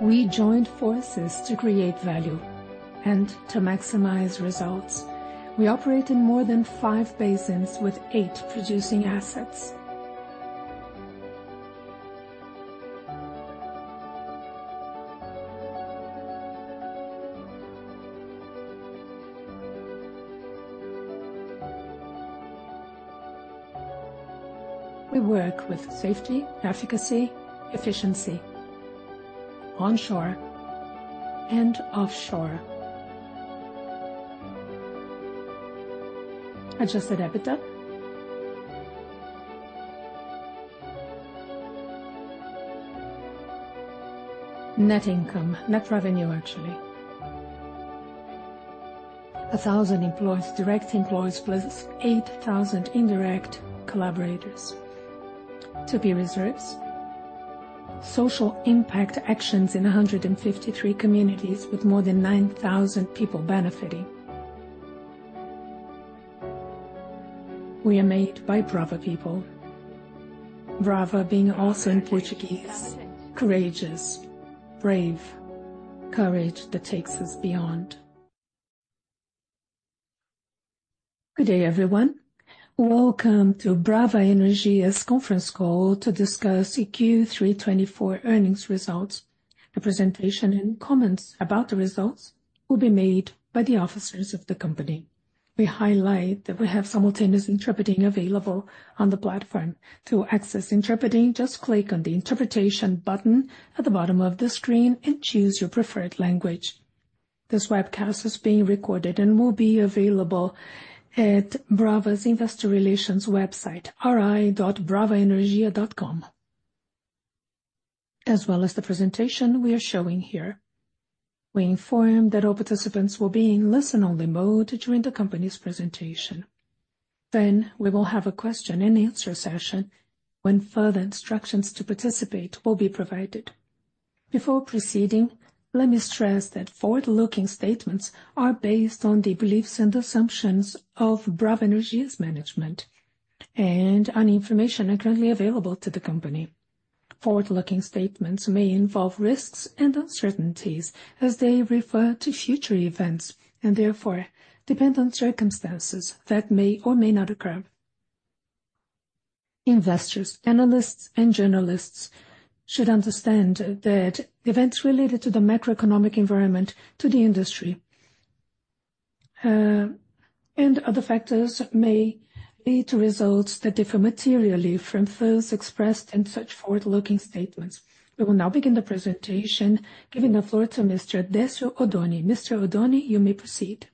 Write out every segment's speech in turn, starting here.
We joined forces to create value and to maximize results. We operate in more than five basins, with eight producing assets. We work with safety, efficacy, efficiency, onshore and offshore. Adjusted EBITDA? Net income, net revenue actually. 1,000 employees, direct employees, plus 8,000 indirect collaborators. 2P reserves, social impact actions in 153 communities with more than 9,000 people benefiting. We are made by Brava people. Brava being also in Portuguese, courageous, brave, courage that takes us beyond. Good day, everyone. Welcome to Brava Energia's conference call to discuss 3Q 2024 Earnings results. The presentation and comments about the results will be made by the officers of the company. We highlight that we have simultaneous interpreting available on the platform. To access interpreting, just click on the interpretation button at the bottom of the screen and choose your preferred language. This webcast is being recorded and will be available at Brava's investor relations website, ri.bravaenergia.com as well as the presentation we are showing here. We inform that all participants will be in listen-only mode during the company's presentation. Then we will have a question-and-answer session when further instructions to participate will be provided. Before proceeding, let me stress that forward-looking statements are based on the beliefs and assumptions of Brava Energia's management and on information currently available to the company. Forward-looking statements may involve risks and uncertainties as they refer to future events and therefore depend on circumstances that may or may not occur. Investors, analysts, and journalists should understand that events related to the macroeconomic environment, to the industry, and other factors may lead to results that differ materially from those expressed in such forward-looking statements. We will now begin the presentation, giving the floor to Mr. Décio Oddone. Mr. Oddone, you may proceed.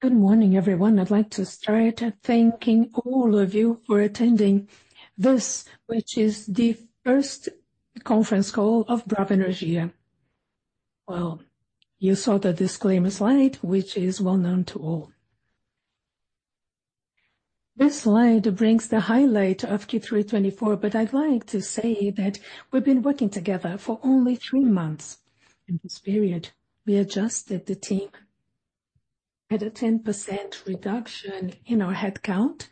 Good morning, everyone. I'd like to start thanking all of you for attending this, which is the first conference call of Brava Energia. You saw the disclaimer slide, which is well known to all. This slide brings the highlight of Q3 2024, but I'd like to say that we've been working together for only three months. In this period, we adjusted the team at a 10% reduction in our headcount.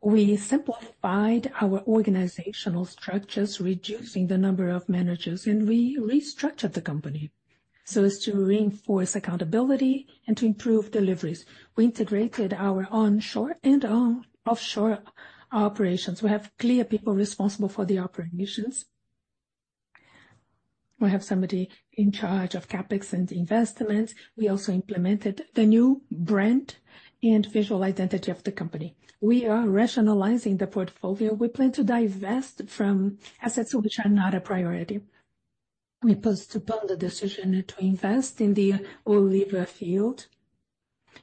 We simplified our organizational structures, reducing the number of managers, and we restructured the company so as to reinforce accountability and to improve deliveries. We integrated our onshore and offshore operations. We have clear people responsible for the operations. We have somebody in charge of CapEx and investment. We also implemented the new brand and visual identity of the company. We are rationalizing the portfolio. We plan to divest from assets which are not a priority. We postponed the decision to invest in the Oliva Field,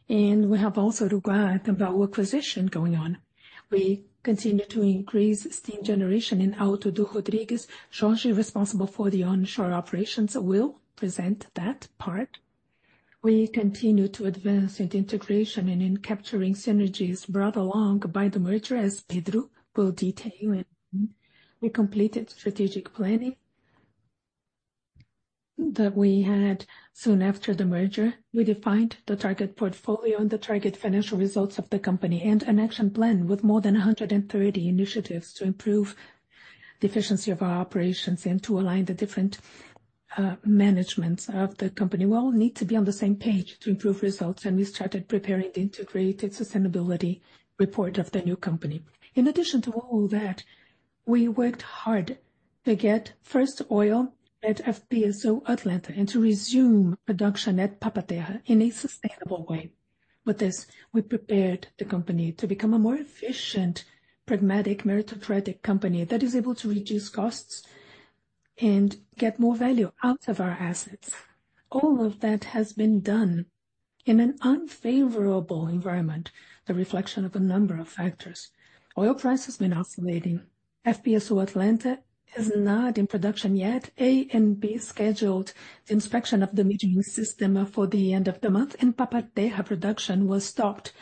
and we have also inquired about acquisitions going on. We continue to increase steam generation in Alto do Rodrigues. Jorge, responsible for the onshore operations, will present that part. We continue to advance in integration and in capturing synergies brought along by the merger, as Pedro will detail. We completed strategic planning that we had soon after the merger. We defined the target portfolio and the target financial results of the company and an action plan with more than 130 initiatives to improve the efficiency of our operations and to align the different managements of the company. We all need to be on the same page to improve results, and we started preparing the integrated sustainability report of the new company. In addition to all that, we worked hard to get first oil at FPSO Atlanta and to resume production at Papa-Terra in a sustainable way. With this, we prepared the company to become a more efficient, pragmatic, meritocratic company that is able to reduce costs and get more value out of our assets. All of that has been done in an unfavorable environment, the reflection of a number of factors. Oil prices have been oscillating. FPSO Atlanta is not in production yet. ANP scheduled the inspection of the metering system for the end of the month, and Papa-Terra production was stopped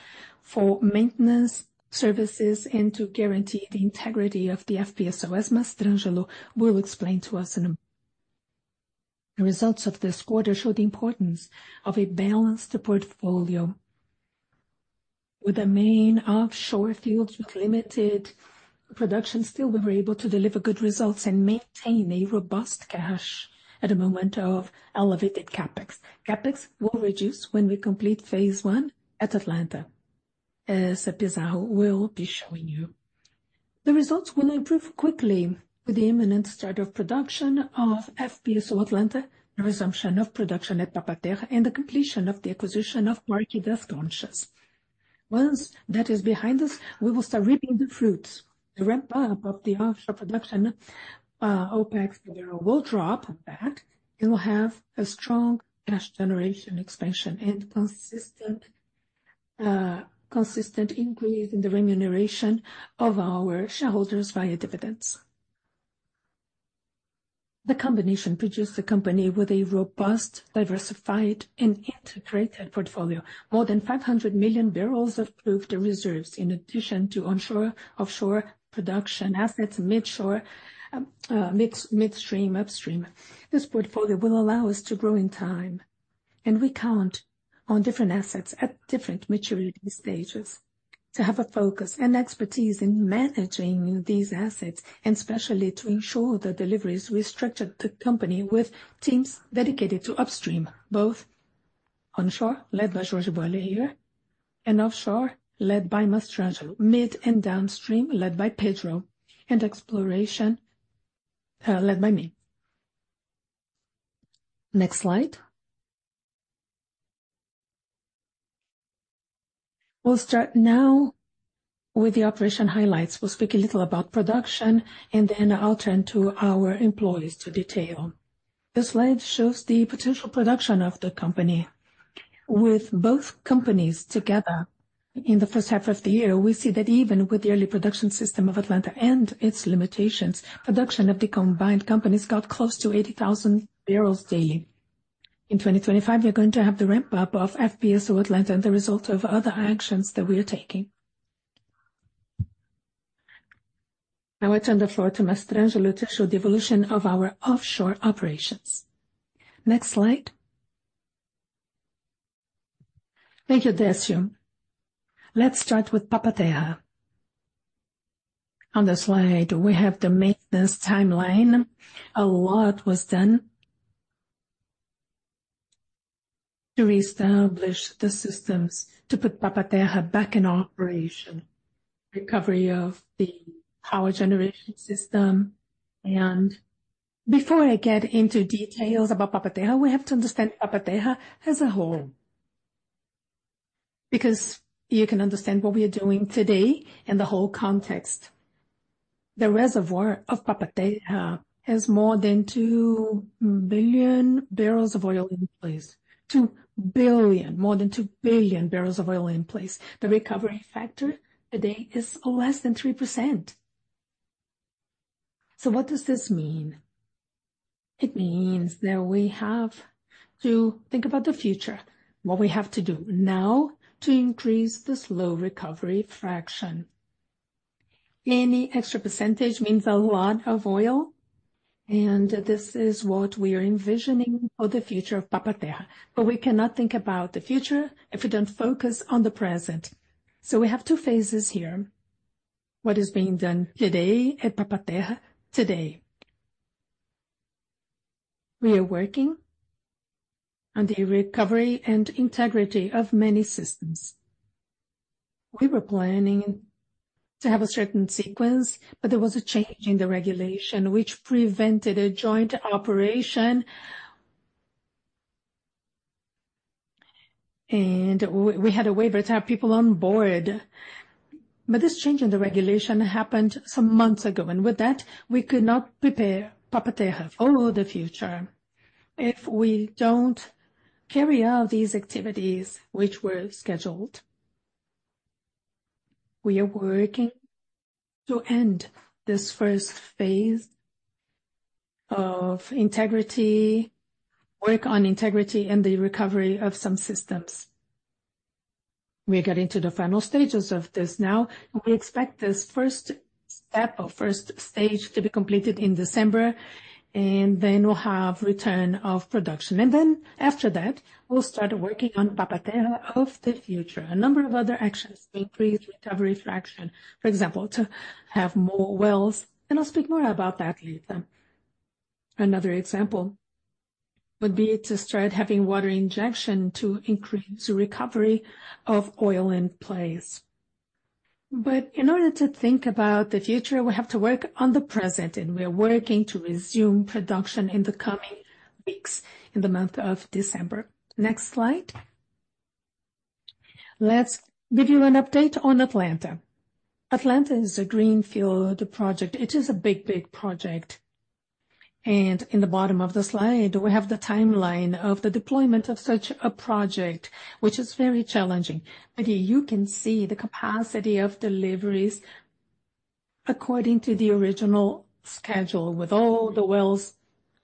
for maintenance services and to guarantee the integrity of the FPSO. As Mastrangelo will explain to us in a moment, the results of this quarter show the importance of a balanced portfolio. With the main offshore fields with limited production, still, we were able to deliver good results and maintain a robust cash at a moment of elevated CapEx. CapEx will reduce when we complete phase I at Atlanta, as Pizarro will be showing you. The results will improve quickly with the imminent start of production of FPSO Atlanta, the resumption of production at Papa-Terra and the completion of the acquisition of Parque das Conchas. Once that is behind us, we will start reaping the fruits. The ramp-up of the offshore production will drop back. We will have a strong cash generation expansion and consistent increase in the remuneration of our shareholders via dividends. The combination produced a company with a robust, diversified, and integrated portfolio. More than 500 million barrels of proved reserves, in addition to onshore, offshore production assets, midstream, upstream. This portfolio will allow us to grow in time, and we count on different assets at different maturity stages to have a focus and expertise in managing these assets, and especially to ensure the deliveries. We structured the company with teams dedicated to upstream, both onshore, led by Jorge Boeri here, and offshore, led by Mastrangelo, midstream and downstream, led by Pedro, and exploration, led by me. Next slide. We'll start now with the operation highlights. We'll speak a little about production, and then I'll turn to our employees to detail. This slide shows the potential production of the company. With both companies together in the first half of the year, we see that even with the early production system of Atlanta and its limitations, production of the combined companies got close to 80,000 barrels daily. In 2025, we're going to have the ramp-up of FPSO Atlanta and the result of other actions that we are taking. Now I turn the floor to Mastrangelo to show the evolution of our offshore operations. Next slide. Thank you, Décio. Let's start with Papa-Terra. On the slide, we have the maintenance timeline. A lot was done to reestablish the systems, to put Papa-Terra back in operation, recovery of the power generation system, and before I get into details about Papa-Terra here, we have to understand Papa-Terra as a whole because you can understand what we are doing today and the whole context. The reservoir of Papa-Terra has more than 2 million barrels of oil in place, 2 billion, more than 2 billion barrels of oil in place. The recovery factor today is less than 3%. So what does this mean? It means that we have to think about the future, what we have to do now to increase the slow recovery factor. Any extra percentage means a lot of oil, and this is what we are envisioning for the future of Papa-Terra here. But we cannot think about the future if we don't focus on the present. So we have two phases here. What is being done today at Papa-Terra? We are working on the recovery and integrity of many systems. We were planning to have a certain sequence, but there was a change in the regulation which prevented a joint operation, and we had a waiver to have people on board. But this change in the regulation happened some months ago, and with that, we could not prepare Papa-Terra for the future if we don't carry out these activities which were scheduled. We are working to end this first phase of integrity, work on integrity and the recovery of some systems. We are getting to the final stages of this now. We expect this first step or first stage to be completed in December, and then we'll have return of production, and then after that, we'll start working on Papa-Terra of the future. A number of other actions to increase recovery factor, for example, to have more wells, and I'll speak more about that later. Another example would be to start having water injection to increase the recovery of oil in place. But in order to think about the future, we have to work on the present, and we are working to resume production in the coming weeks, in the month of December. Next slide. Let's give you an update on Atlanta. Atlanta is a greenfield project. It is a big, big project. And in the bottom of the slide, we have the timeline of the deployment of such a project, which is very challenging. But you can see the capacity of deliveries according to the original schedule, with all the wells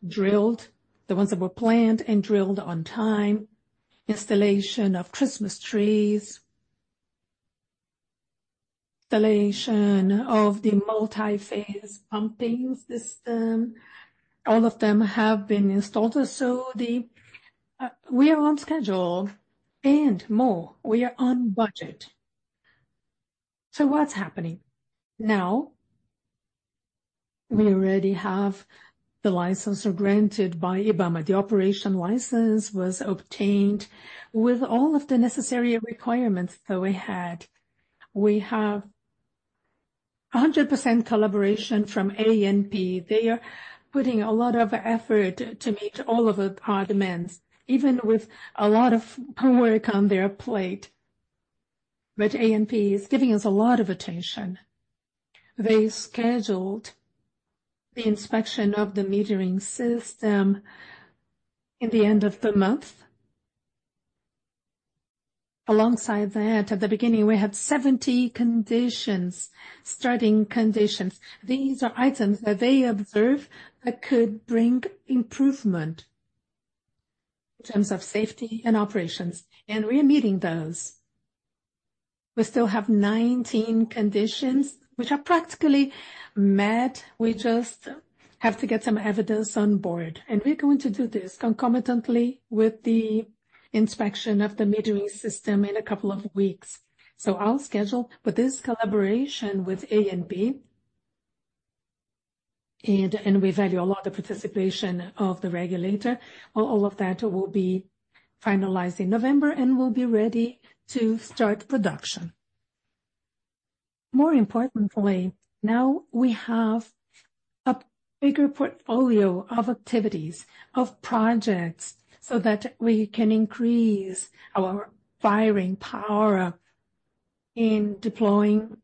drilled, the ones that were planned and drilled on time, installation of Christmas trees, installation of the multi-phase pumping system. All of them have been installed. So we are on schedule and more. We are on budget. So what's happening? Now we already have the license granted by IBAMA. The operation license was obtained with all of the necessary requirements that we had. We have 100% collaboration from ANP. They are putting a lot of effort to meet all of our demands, even with a lot of work on their plate. But ANP is giving us a lot of attention. They scheduled the inspection of the metering system in the end of the month. Alongside that, at the beginning, we had 70 conditions, starting conditions. These are items that they observe that could bring improvement in terms of safety and operations, and we are meeting those. We still have 19 conditions which are practically met. We just have to get some evidence on board, and we're going to do this concomitantly with the inspection of the metering system in a couple of weeks. So I'll schedule with this collaboration with ANP, and we value a lot of participation of the regulator. All of that will be finalized in November, and we'll be ready to start production. More importantly, now we have a bigger portfolio of activities, of projects, so that we can increase our firing power in deploying,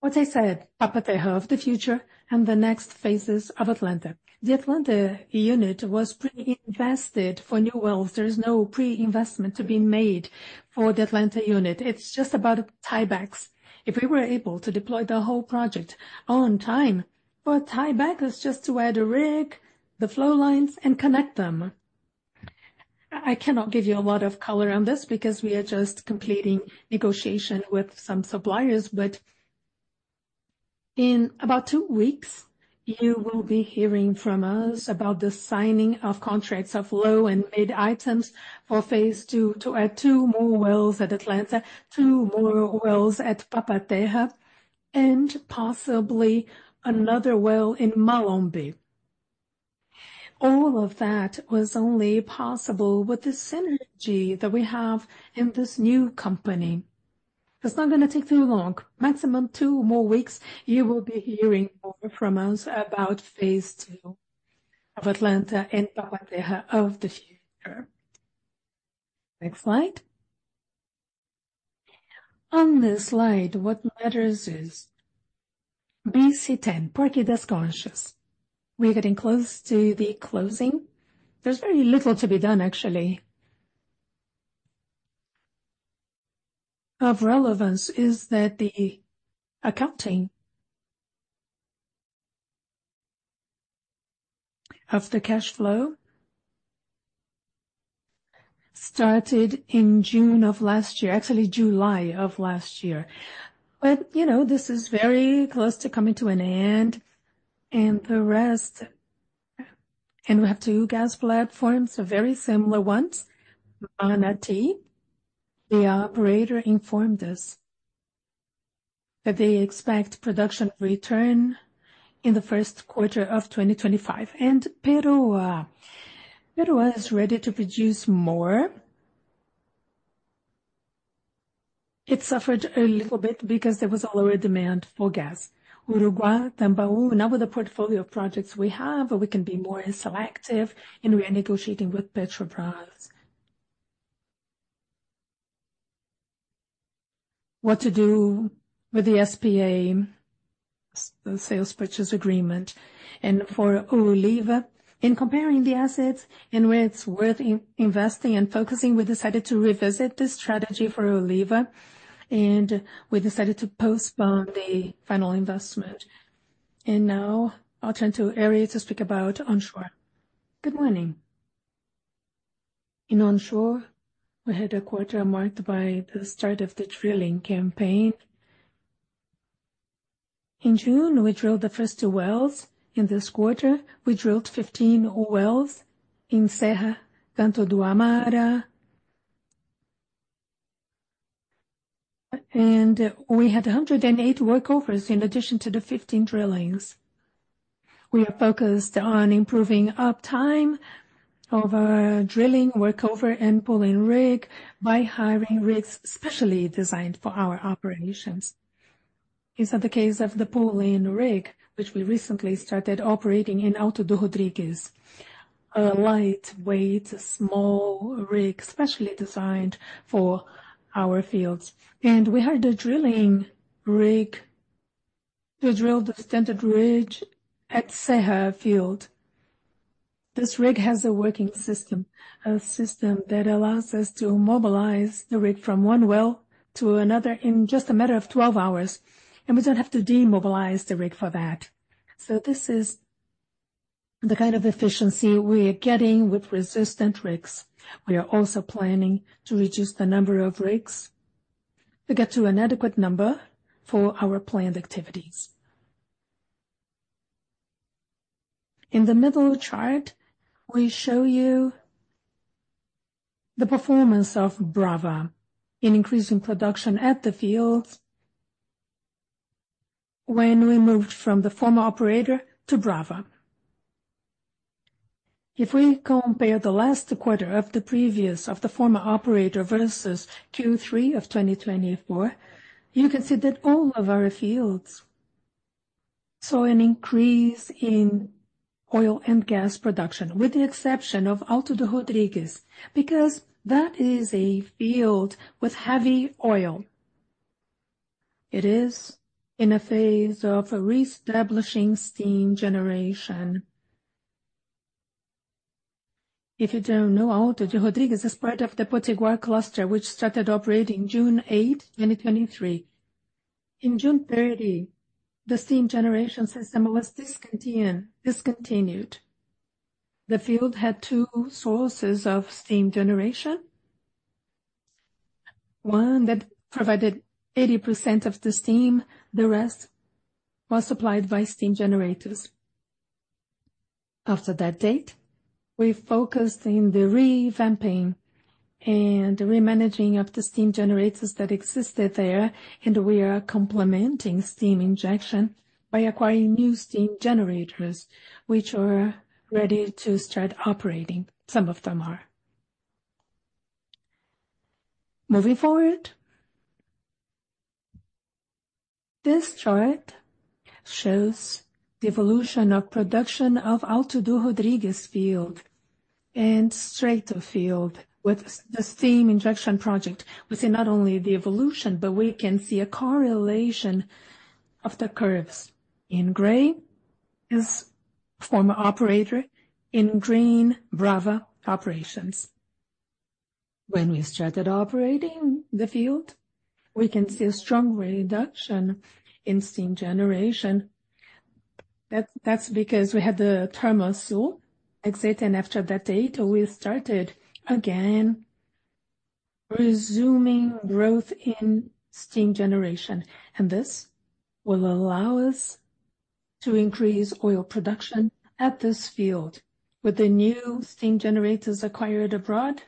what I said, Papa-Terra of the future and the next phases of Atlanta. The Atlanta unit was pre-invested for new wells. There is no pre-investment to be made for the Atlanta unit. It's just about tiebacks. If we were able to deploy the whole project on time, but tieback is just to add a rig, the flow lines, and connect them. I cannot give you a lot of color on this because we are just completing negotiation with some suppliers. But in about two weeks, you will be hearing from us about the signing of contracts of low and mid items for phase two to add two more wells at Atlanta, two more wells at Papa-Terra here, and possibly another well in Malombe. All of that was only possible with the synergy that we have in this new company. It's not going to take too long. Maximum two more weeks, you will be hearing more from us about phase two of Atlanta and Papa-Terra of the future. Next slide. On this slide, what matters is BC-10, Parque das Conchas. We're getting close to the closing. There's very little to be done, actually. Of relevance is that the accounting of the cash flow started in June of last year, actually July of last year. But you know this is very close to coming to an end, and the rest, and we have two gas platforms, very similar ones, Manati. The operator informed us that they expect production return in the first quarter of 2025. Peroá, is ready to produce more. It suffered a little bit because there was already demand for gas. Uruguá, Tambaú. Now with the portfolio of projects we have, we can be more selective in renegotiating with Petrobras. What to do with the SPA, the sales purchase agreement, and for Oliva. In comparing the assets and where it's worth investing and focusing, we decided to revisit this strategy for Oliva, and we decided to postpone the final investment. Now I'll turn to Jorge Boeri to speak about onshore. Good morning. In onshore, we had a quarter marked by the start of the drilling campaign. In June, we drilled the first two wells. In this quarter, we drilled 15 wells in Serra, Canto do Amaro. We had 108 workovers in addition to the 15 drillings. We are focused on improving uptime of our drilling, workover, and pulling rig by hiring rigs specially designed for our operations. This is the case of the pulling rig, which we recently started operating in Alto do Rodrigues, a lightweight, small rig specially designed for our fields. We had the drilling rig to drill the standard rig at Serra field. This rig has a working system, a system that allows us to mobilize the rig from one well to another in just a matter of 12 hours. We don't have to demobilize the rig for that. This is the kind of efficiency we are getting with these rigs. We are also planning to reduce the number of rigs to get to an adequate number for our planned activities. In the middle chart, we show you the performance of Brava in increasing production at the fields when we moved from the former operator to Brava. If we compare the last quarter of the previous of the former operator versus Q3 of 2024, you can see that all of our fields saw an increase in oil and gas production, with the exception of Alto do Rodrigues, because that is a field with heavy oil. It is in a phase of reestablishing steam generation. If you don't know, Alto do Rodrigues is part of the Potiguar cluster, which started operating June 8, 2023. In June 30, the steam generation system was discontinued. The field had two sources of steam generation, one that provided 80% of the steam, the rest was supplied by steam generators. After that date, we focused in the revamping and remanaging of the steam generators that existed there, and we are complementing steam injection by acquiring new steam generators, which are ready to start operating. Some of them are. Moving forward, this chart shows the evolution of production of Alto do Rodrigues field and Estreito field with the steam injection project. We see not only the evolution, but we can see a correlation of the curves. In gray is former operator, in green Brava operations. When we started operating the field, we can see a strong reduction in steam generation. That's because we had the thermal shutdown, and after that date, we started again resuming growth in steam generation. And this will allow us to increase oil production at this field with the new steam generators acquired abroad.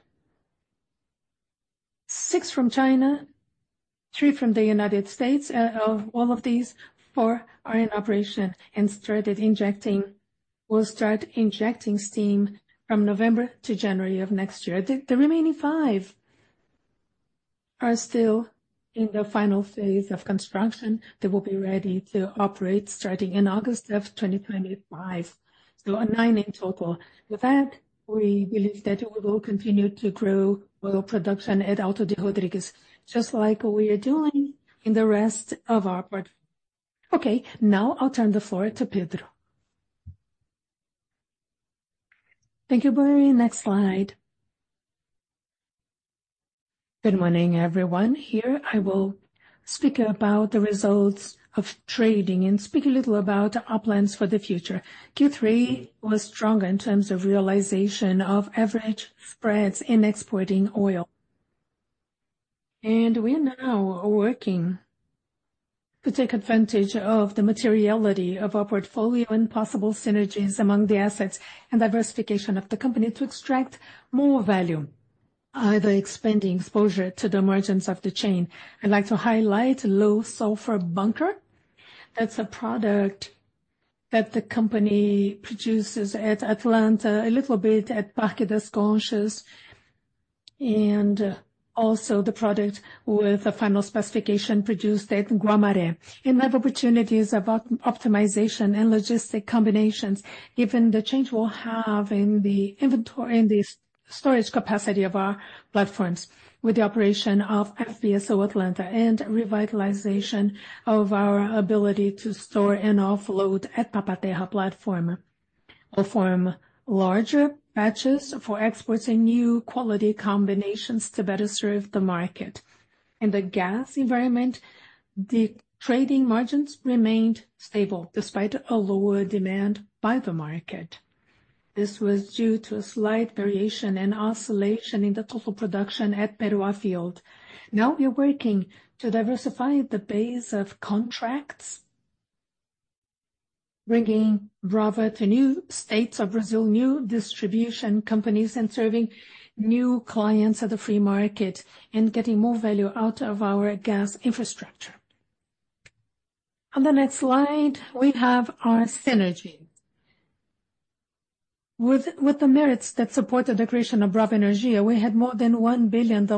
Six from China, three from the United States. Of all of these, four are in operation and started injecting. We'll start injecting steam from November to January of next year. The remaining five are still in the final phase of construction. They will be ready to operate starting in August of 2025. So nine in total. With that, we believe that we will continue to grow oil production at Alto do Rodrigues, just like we are doing in the rest of our project. Okay, now I'll turn the floor to Pedro. Thank you, Jorge. Next slide. Good morning, everyone. Here I will speak about the results of trading and speak a little about our plans for the future. Q3 was stronger in terms of realization of average spreads in exporting oil, and we are now working to take advantage of the materiality of our portfolio and possible synergies among the assets and diversification of the company to extract more value, either expanding exposure to the midstream of the chain. I'd like to highlight low sulfur bunker. That's a product that the company produces at Atlanta, a little bit at Parque das Conchas, and also the product with a final specification produced at Guamaré. In my opportunities of optimization and logistic combinations, given the change we'll have in the inventory and the storage capacity of our platforms with the operation of FPSO Atlanta and revitalization of our ability to store and offload at Papa-Terra platform, we'll form larger batches for exports and new quality combinations to better serve the market. In the gas environment, the trading margins remained stable despite a lower demand by the market. This was due to a slight variation and oscillation in the total production at Peroá field. Now we are working to diversify the base of contracts, bringing Brava to new states of Brazil, new distribution companies, and serving new clients at the free market and getting more value out of our gas infrastructure. On the next slide, we have our synergies. With the merits that supports the valuation of Brava Energia, we had more than $1 billion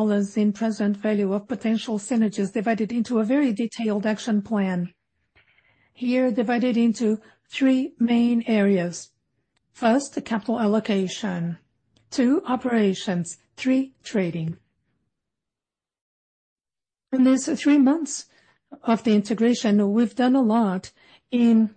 in present value of potential synergies divided into a very detailed action plan. Here, divided into three main areas. First, Capital Allocation. Two, Operations. Three, Trading. In these three months of the integration, we've done a lot in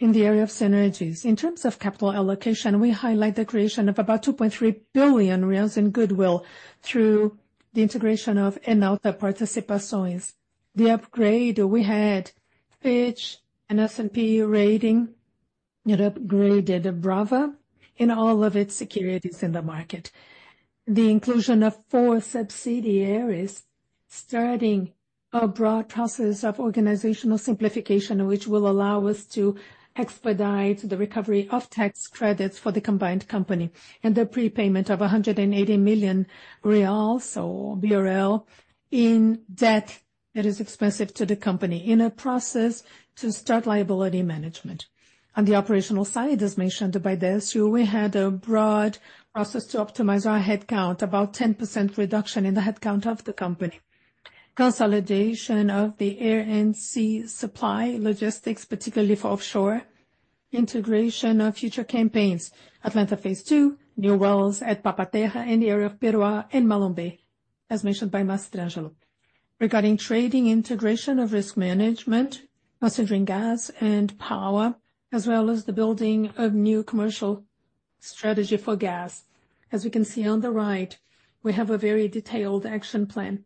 the area of synergies. In terms of capital allocation, we highlight the creation of about 2.3 billion reais in goodwill through the integration of Enauta Participações. The upgrade we had, Fitch and S&P ratings, it upgraded Brava in all of its securities in the market. The inclusion of four subsidiaries starting a broad process of organizational simplification, which will allow us to expedite the recovery of tax credits for the combined company and the prepayment of 180 million reais in debt that is expensive to the company in a process to start liability management. On the operational side, as mentioned by this, we had a broad process to optimize our headcount, about 10% reduction in the headcount of the company. Consolidation of the air and sea supply logistics, particularly for offshore integration of future campaigns. Atlanta phase II, new wells at Papa-Terra in the area of Peroá and Malombe, as ntioned by Mastrangelo. Regarding trading, integration of risk management, messaging gas and power, as well as the building of new commercial strategy for gas. As we can see on the right, we have a very detailed action plan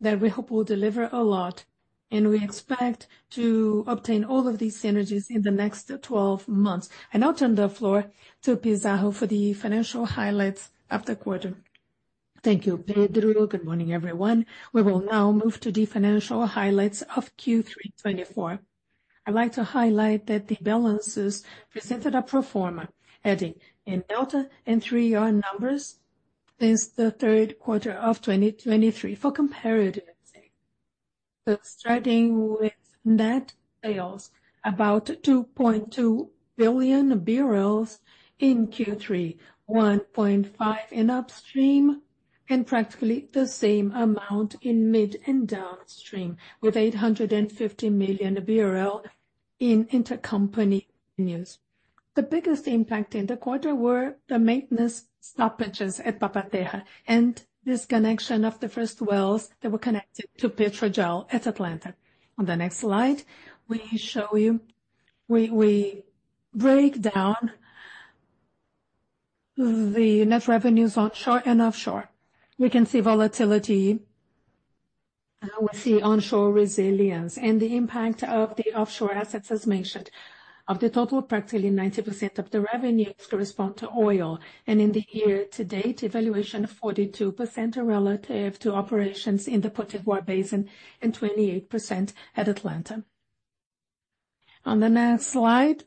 that we hope will deliver a lot, and we expect to obtain all of these synergies in the next 12 months, and I'll turn the floor to Pizarro for the financial highlights of the quarter. Thank you, Pedro. Good morning, everyone. We will now move to the financial highlights of Q324. I'd like to highlight that the balances are presented on a pro forma, adding Enauta and 3R numbers since the third quarter of 2023 for comparative sake. Starting with net sales, about 2.2 billion in Q3, 1.5 in upstream, and practically the same amount in mid and downstream, with BRL 850 million in intercompany revenues. The biggest impact in the quarter were the maintenance stoppages at Papa-Terra and disconnection of the first wells that were connected to Petrojarl I at Atlanta. On the next slide, we show you, we break down the net revenues onshore and offshore. We can see volatility, and we see onshore resilience, and the impact of the offshore assets, as mentioned, of the total, practically 90% of the revenues correspond to oil, and in the year to date, evaluation of 42% relative to operations in the Potiguar Basin and 28% at Atlanta. On the next slide,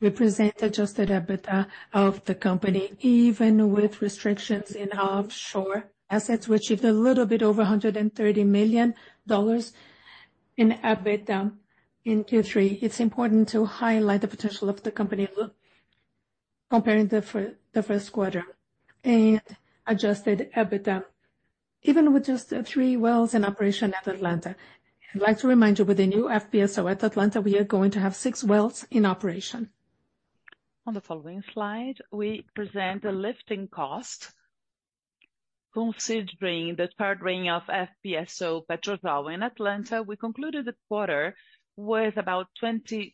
we presented just a bit of the company. Even with restrictions in offshore assets, we achieved a little bit over $130 million in EBITDA in Q3. It's important to highlight the potential of the company comparing the first quarter and adjusted EBITDA, even with just three wells in operation at Atlanta. I'd like to remind you, with the new FPSO at Atlanta, we are going to have six wells in operation. On the following slide, we present the lifting cost. Considering the chartering of FPSO Petrojarl I in Atlanta, we concluded the quarter with about $20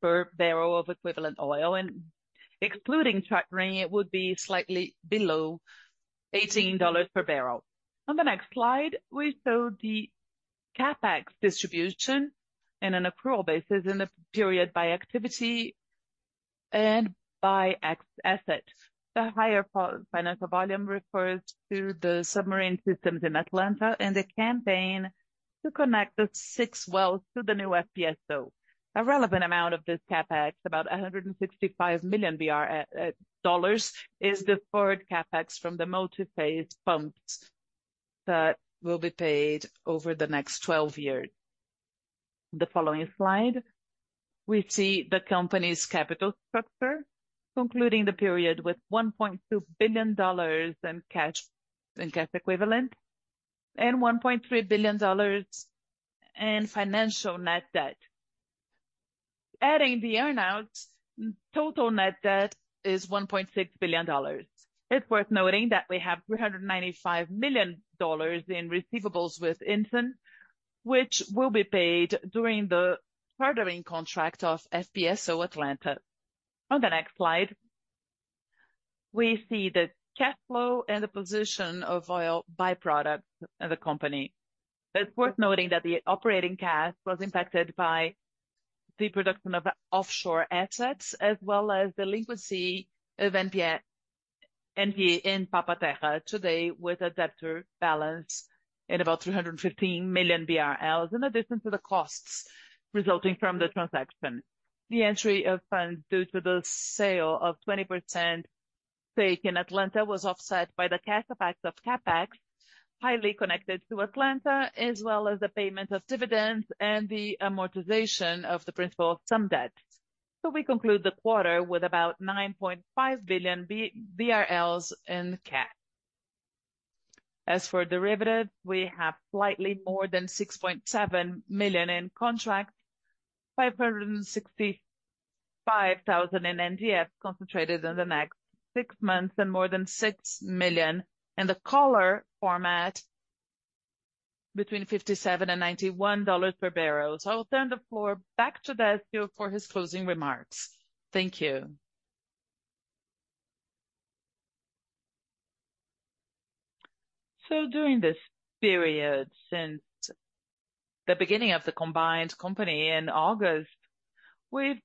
per barrel of oil equivalent. Excluding chartering, it would be slightly below $18 per barrel. On the next slide, we show the CapEx distribution on an accrual basis in the period by activity and by asset. The higher financial volume refers to the submarine systems in Atlanta and the campaign to connect the six wells to the new FPSO. A relevant amount of this CapEx, about $165 million, is deferred CapEx from the multi-phase pumps that will be paid over the next 12 years. On the following slide, we see the company's capital structure, concluding the period with $1.2 billion in cash equivalent and $1.3 billion in financial net debt. Adding the earnouts, total net debt is $1.6 billion. It's worth noting that we have $395 million in receivables with Yinson, which will be paid during the chartering contract of FPSO Atlanta. On the next slide, we see the cash flow and the position of oil byproducts of the company. It's worth noting that the operating cash was impacted by the production of offshore assets, as well as the liquidity of ANP in Papa-Terra today with a debtor balance in about 315 million BRL, in addition to the costs resulting from the transaction. The entry of funds due to the sale of 20% stake in Atlanta was offset by the cash effects of CapEx, highly connected to Atlanta, as well as the payment of dividends and the amortization of the principal of some debt, so we conclude the quarter with about 9.5 billion BRL in cash. As for derivatives, we have slightly more than 6.7 million in contracts, 565,000 in NDF concentrated in the next six months, and more than 6 million in the collar format between $57 and $91 per barrel. I'll turn the floor back to Décio for his closing remarks. Thank you. During this period since the beginning of the combined company in August, we've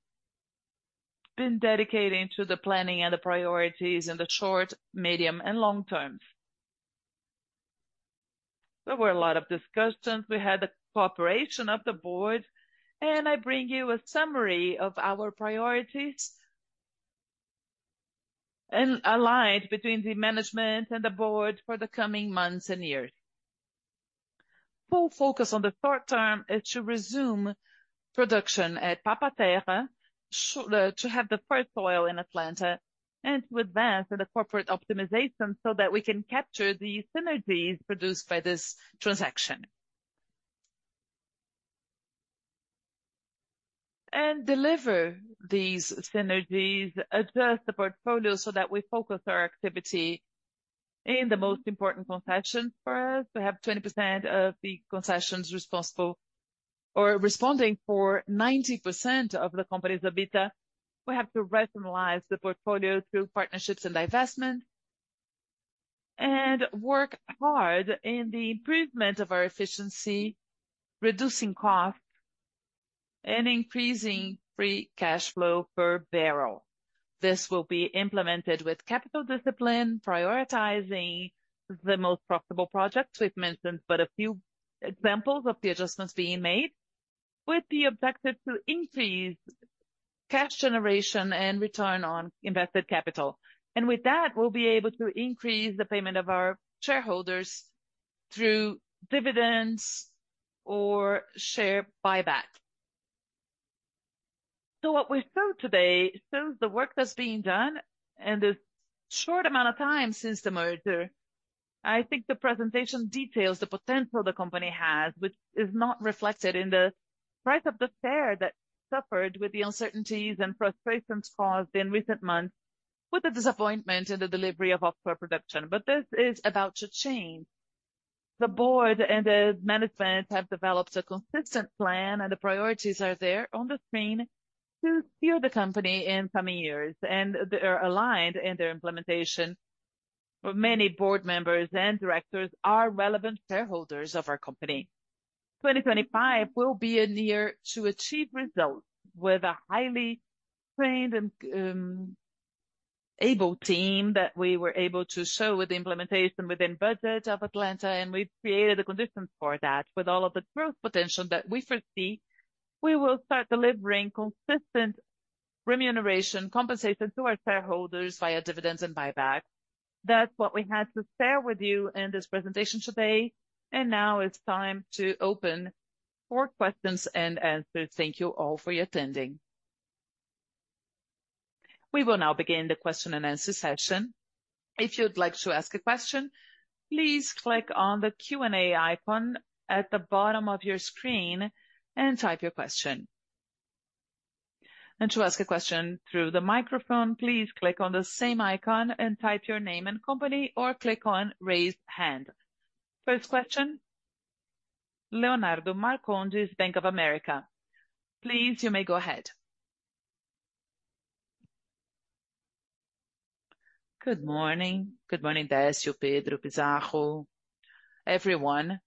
been dedicating to the planning and the priorities in the short, medium, and long terms. There were a lot of discussions. We had the cooperation of the board, and I bring you a summary of our priorities aligned between the management and the board for the coming months and years. Full focus on the short term is to resume production at Papa-Terra to have the first oil in Atlanta and to advance the corporate optimization so that we can capture the synergies produced by this transaction, and deliver these synergies, adjust the portfolio so that we focus our activity in the most important concessions for us. We have 20% of the concessions responsible or responding for 90% of the company's EBITDA. We have to rationalize the portfolio through partnerships and divestment and work hard in the improvement of our efficiency, reducing costs and increasing free cash flow per barrel. This will be implemented with capital discipline, prioritizing the most profitable projects we've mentioned, but a few examples of the adjustments being made with the objective to increase cash generation and return on invested capital. And with that, we'll be able to increase the payment of our shareholders through dividends or share buyback. So what we show today shows the work that's being done in this short amount of time since the merger. I think the presentation details the potential the company has, which is not reflected in the price of the share that suffered with the uncertainties and frustrations caused in recent months with the disappointment in the delivery of offshore production. But this is about to change. The board and the management have developed a consistent plan, and the priorities are there on the screen to steer the company in coming years. And they are aligned in their implementation. Many board members and directors are relevant shareholders of our company. 2025 will be a year to achieve results with a highly trained and able team that we were able to show with the implementation within budget of Atlanta. And we've created the conditions for that. With all of the growth potential that we foresee, we will start delivering consistent remuneration compensation to our shareholders via dividends and buyback. That's what we had to share with you in this presentation today. And now it's time to open for questions and answers. Thank you all for your attending. We will now begin the question and answer session. If you'd like to ask a question, please click on the Q&A icon at the bottom of your screen and type your question. And to ask a question through the microphone, please click on the same icon and type your name and company or click on raised hand. First question, Leonardo Marcondes, Bank of America. Please, you may go ahead. Good morning. Good morning, Décio, Pedro, Pizarro, everyone.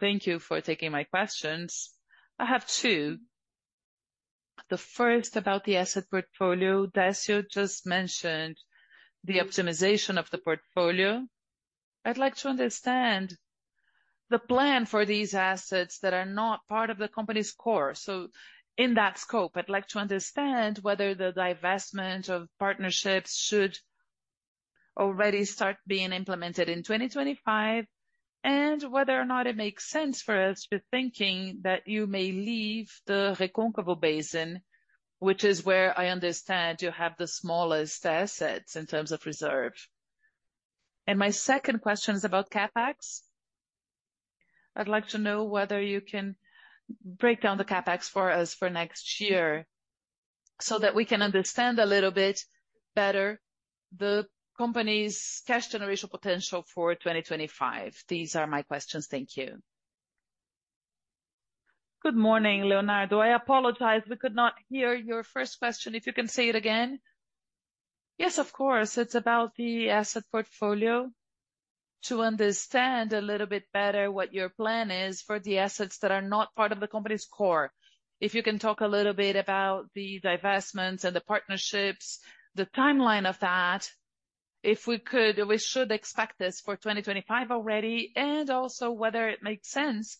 Thank you for taking my questions. I have two. The first about the asset portfolio. Décio just mentioned the optimization of the portfolio. I'd like to understand the plan for these assets that are not part of the company's core. So in that scope, I'd like to understand whether the divestment of partnerships should already start being implemented in 2025 and whether or not it makes sense for us to be thinking that you may leave the Recôncavo Basin, which is where I understand you have the smallest assets in terms of reserve. And my second question is about CapEx. I'd like to know whether you can break down the CapEx for us for next year so that we can understand a little bit better the company's cash generation potential for 2025. These are my questions. Thank you. Good morning, Leonardo. I apologize. We could not hear your first question. If you can say it again. Yes, of course. It's about the asset portfolio to understand a little bit better what your plan is for the assets that are not part of the company's core. If you can talk a little bit about the divestments and the partnerships, the timeline of that, if we could, we should expect this for 2025 already, and also whether it makes sense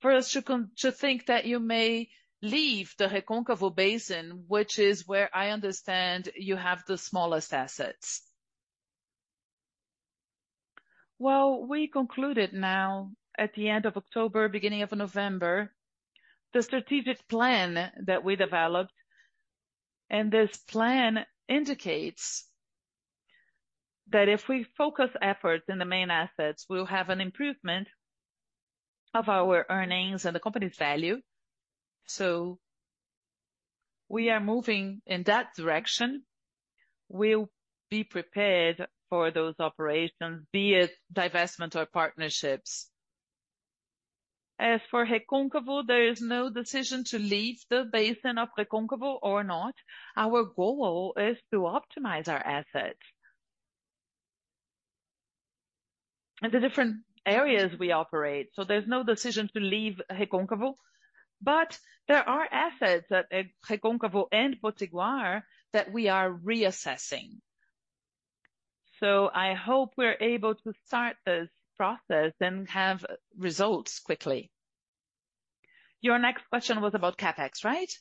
for us to think that you may leave the Recôncavo Basin, which is where I understand you have the smallest assets. We concluded now at the end of October, beginning of November, the strategic plan that we developed. And this plan indicates that if we focus efforts in the main assets, we'll have an improvement of our earnings and the company's value. So we are moving in that direction. We'll be prepared for those operations, be it divestment or partnerships. As for Recôncavo, there is no decision to leave the basin of Recôncavo or not. Our goal is to optimize our assets in the different areas we operate. So there's no decision to leave Recôncavo, but there are assets at Recôncavo and Potiguar that we are reassessing. So I hope we're able to start this process and have results quickly. Your next question was about CapEx, right?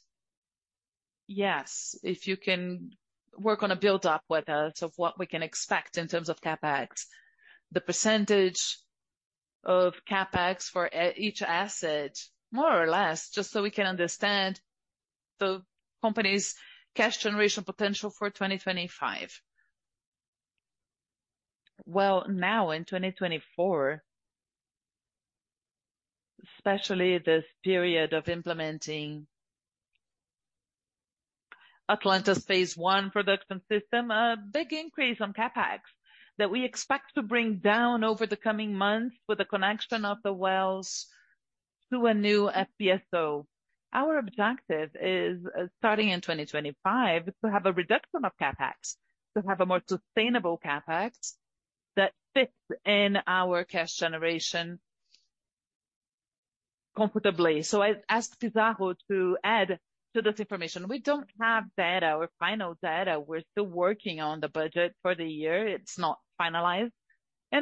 Yes. If you can work on a build-up with us of what we can expect in terms of CapEx, the percentage of CapEx for each asset, more or less, just so we can understand the company's cash generation potential for 2025. Now in 2024, especially this period of implementing Atlanta's phase one production system, a big increase on CapEx that we expect to bring down over the coming months with the connection of the wells to a new FPSO. Our objective is starting in 2025 to have a reduction of CapEx, to have a more sustainable CapEx that fits in our cash generation comfortably. I asked Pizarro to add to this information. We don't have data, our final data. We're still working on the budget for the year. It's not finalized.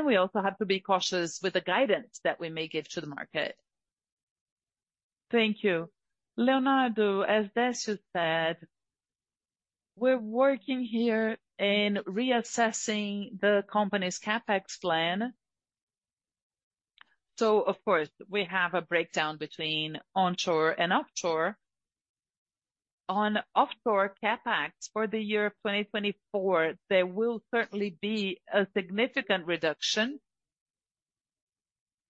We also have to be cautious with the guidance that we may give to the market. Thank you. Leonardo, as Décio said, we're working here in reassessing the company's CapEx plan. Of course, we have a breakdown between onshore and offshore. On offshore CapEx for the year of 2024, there will certainly be a significant reduction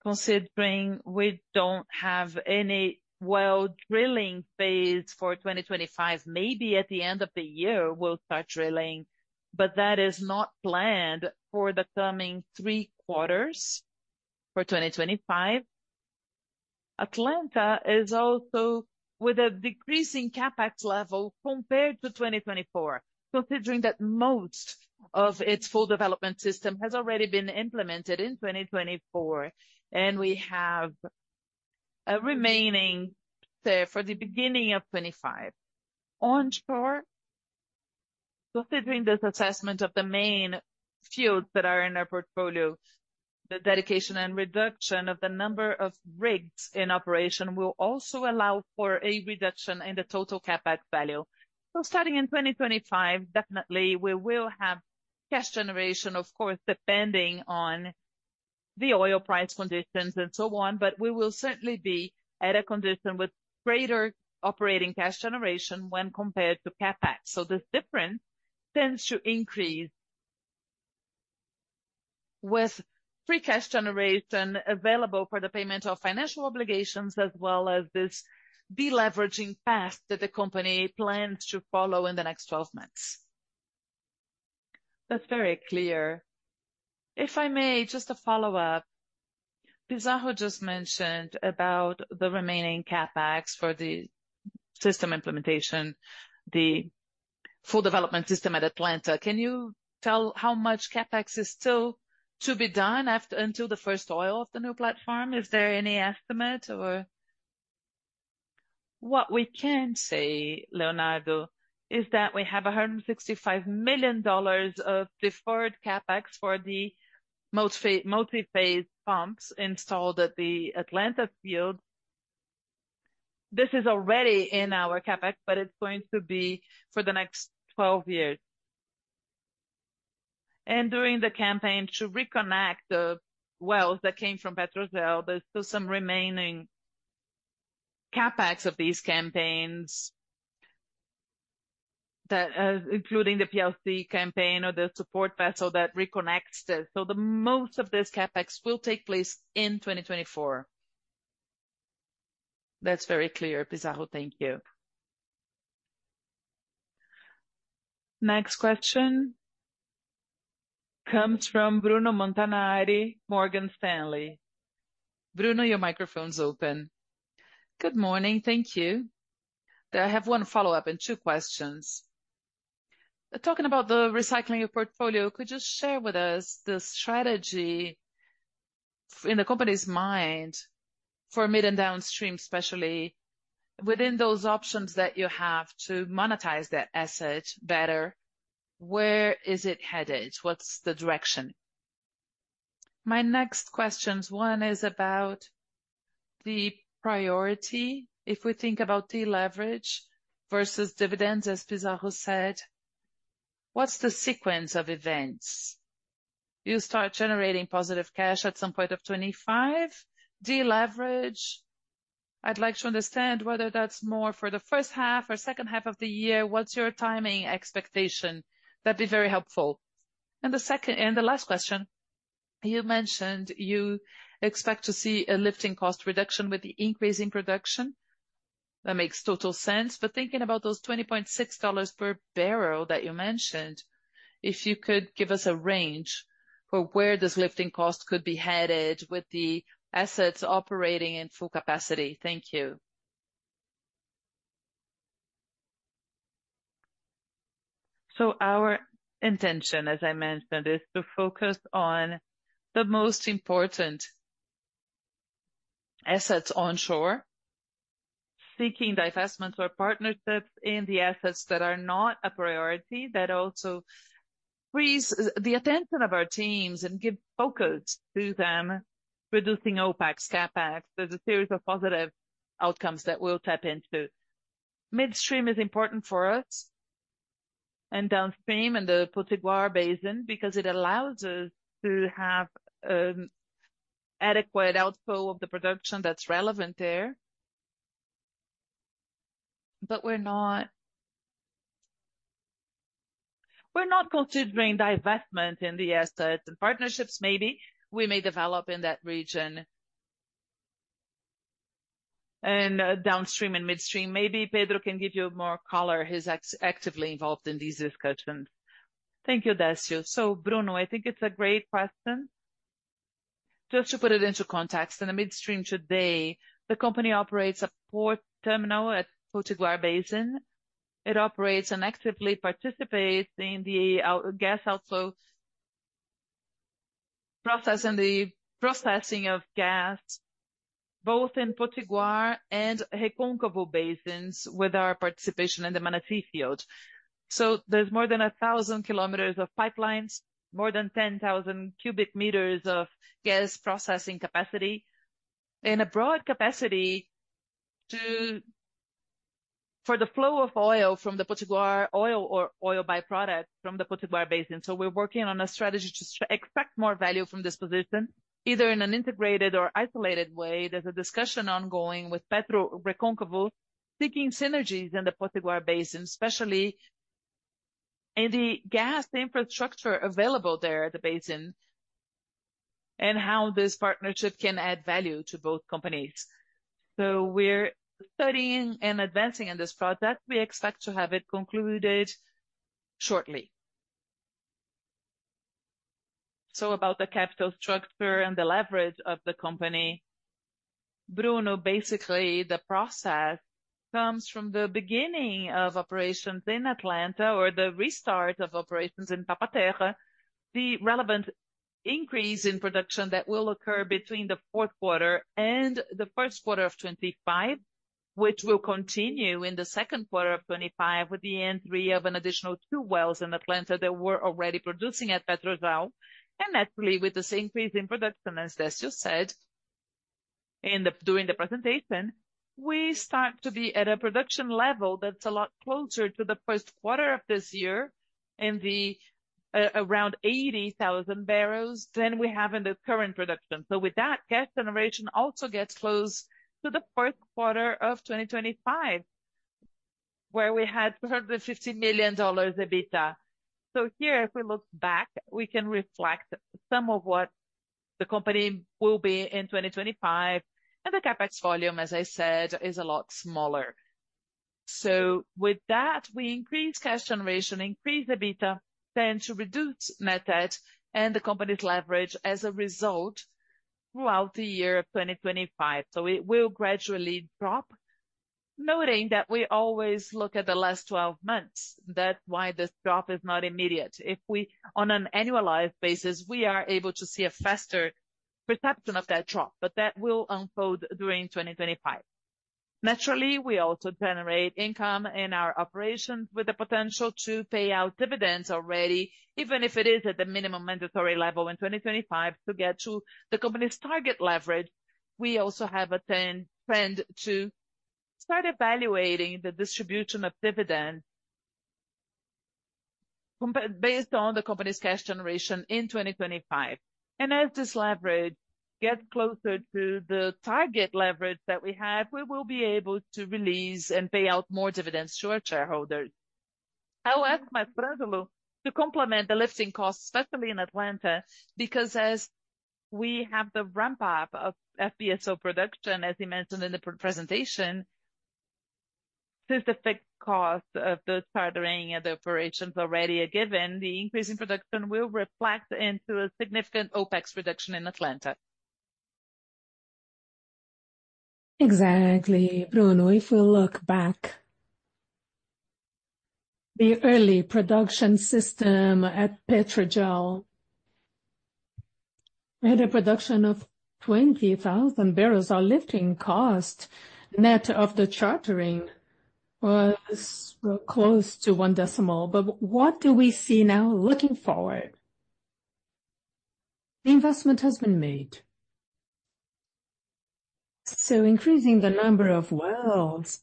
considering we don't have any well drilling phase for 2025. Maybe at the end of the year, we'll start drilling, but that is not planned for the coming three quarters for 2025. Atlanta is also with a decreasing CapEx level compared to 2024, considering that most of its full development system has already been implemented in 2024, and we have a remaining share for the beginning of 2025. Onshore, considering this assessment of the main fields that are in our portfolio, the dedication and reduction of the number of rigs in operation will also allow for a reduction in the total CapEx value. Starting in 2025, definitely we will have cash generation, of course, depending on the oil price conditions and so on, but we will certainly be at a condition with greater operating cash generation when compared to CapEx. So this difference tends to increase with free cash generation available for the payment of financial obligations, as well as this deleveraging path that the company plans to follow in the next 12 months. That's very clear. If I may, just a follow-up. Pizarro just mentioned about the remaining CapEx for the system implementation, the full development system at Atlanta. Can you tell how much CapEx is still to be done until the first oil of the new platform? Is there any estimate or? What we can say, Leonardo, is that we have $165 million of deferred CapEx for the multi-phase pumps installed at the Atlanta field. This is already in our CapEx, but it's going to be for the next 12 years, and during the campaign to reconnect the wells that came from Petrobras, there's still some remaining CapEx of these campaigns, including the PLC campaign or the support vessel that reconnects this, so most of this CapEx will take place in 2024. That's very clear, Pizarro. Thank you. Next question comes from Bruno Montanari, Morgan Stanley. Bruno, your microphone's open. Good morning. Thank you. I have one follow-up and two questions. Talking about the recycling of portfolio, could you share with us the strategy in the company's mind for midstream and downstream, especially within those options that you have to monetize that asset better? Where is it headed? What's the direction? My next questions, one is about the priority. If we think about deleverage versus dividends, as Pizarro said, what's the sequence of events? You start generating positive cash at some point of 2025. Deleverage, I'd like to understand whether that's more for the first half or second half of the year. What's your timing expectation? That'd be very helpful. And the last question, you mentioned you expect to see a lifting cost reduction with the increase in production. That makes total sense. But thinking about those $20.6 per barrel that you mentioned, if you could give us a range for where this lifting cost could be headed with the assets operating in full capacity? Thank you. So our intention, as I mentioned, is to focus on the most important assets onshore, seeking divestments or partnerships in the assets that are not a priority, that also frees the attention of our teams and gives focus to them, reducing OpEx, CapEx. There's a series of positive outcomes that we'll tap into. Midstream is important for us and downstream in the Potiguar Basin because it allows us to have an adequate outflow of the production that's relevant there. But we're not considering divestment in the assets and partnerships, maybe we may develop in that region, and downstream and midstream, maybe Pedro can give you more color. He's actively involved in these discussions. Thank you, Décio, so Bruno, I think it's a great question. Just to put it into context, in the midstream today, the company operates a port terminal at Potiguar Basin. It operates and actively participates in the gas outflow process and the processing of gas both in Potiguar and Recôncavo Basins with our participation in the Manati Field. There's more than 1,000 kilometers of pipelines, more than 10,000 cubic meters of gas processing capacity and a broad capacity for the flow of oil from the Potiguar oil or oil byproduct from the Potiguar Basin. We're working on a strategy to extract more value from this position, either in an integrated or isolated way. There's a discussion ongoingwith Petro Recôncavo, seeking synergies in the Potiguar Basin, especially in the gas infrastructure available there at the basin and how this partnership can add value to both companies. We're studying and advancing on this project. We expect to have it concluded shortly. About the capital structure and the leverage of the company, Bruno, basically the process comes from the beginning of operations in Atlanta or the restart of operations in Papa-Terra, the relevant increase in production that will occur between the fourth quarter and the first quarter of 2025, which will continue in the second quarter of 2025 with the entry of an additional two wells in Atlanta that were already producing at Petrojarl. Actually, with this increase in production, as Décio said during the presentation, we start to be at a production level that's a lot closer to the first quarter of this year and around 80,000 barrels than we have in the current production. With that, cash generation also gets close to the first quarter of 2025, where we had $250 million EBITDA. So here, if we look back, we can reflect some of what the company will be in 2025. And the CapEx volume, as I said, is a lot smaller. So with that, we increase cash generation, increase EBITDA, tend to reduce net debt and the company's leverage as a result throughout the year of 2025. So it will gradually drop, noting that we always look at the last 12 months. That's why this drop is not immediate. If we, on an annualized basis, we are able to see a faster perception of that drop, but that will unfold during 2025. Naturally, we also generate income in our operations with the potential to pay out dividends already, even if it is at the minimum mandatory level in 2025 to get to the company's target leverage. We also have a trend to start evaluating the distribution of dividends based on the company's cash generation in 2025, and as this leverage gets closer to the target leverage that we have, we will be able to release and pay out more dividends to our shareholders. I'll ask my friend to complement the lifting cost, especially in Atlanta, because as we have the ramp-up of FPSO production, as he mentioned in the presentation, since the fixed cost of the chartering and the operations already are given, the increase in production will reflect into a significant OpEx reduction in Atlanta. Exactly. Bruno, if we look back, the early production system at Petrojarl I, we had a production of 20,000 barrels, our lifting cost net of the chartering was close to $10. What do we see now looking forward? The investment has been made. Increasing the number of wells,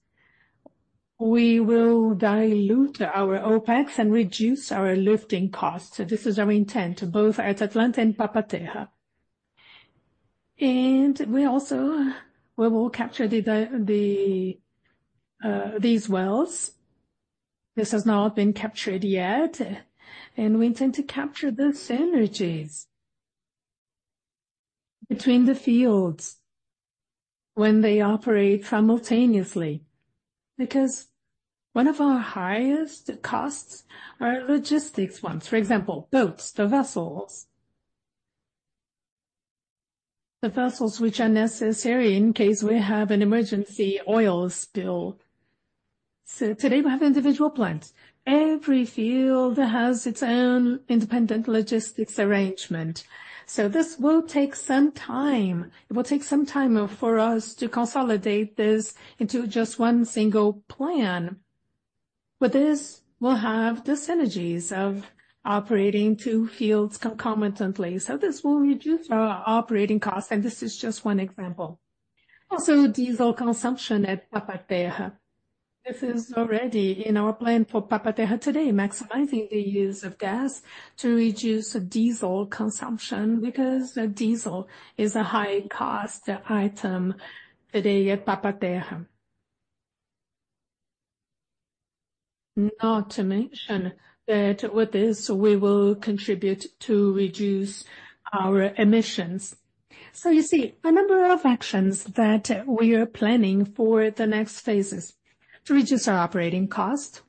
we will dilute our OpEx and reduce our lifting cost. This is our intent both at Atlanta and Papa-Terra. We also will capture these wells. This has not been captured yet. We intend to capture the synergies between the fields when they operate simultaneously because one of our highest costs are logistics ones. For example, boats, the vessels which are necessary in case we have an emergency oil spill. Today we have individual plans. Every field has its own independent logistics arrangement. This will take some time. It will take some time for us to consolidate this into just one single plan. With this, we'll have the synergies of operating two fields concomitantly. This will reduce our operating cost. This is just one example. Also, diesel consumption at Papa-Terra. This is already in our plan for Papa-Terra today, maximizing the use of gas to reduce diesel consumption because diesel is a high-cost item today at Papa-Terra. Not to mention that with this, we will contribute to reduce our emissions, so you see a number of actions that we are planning for the next phases to reduce our operating cost,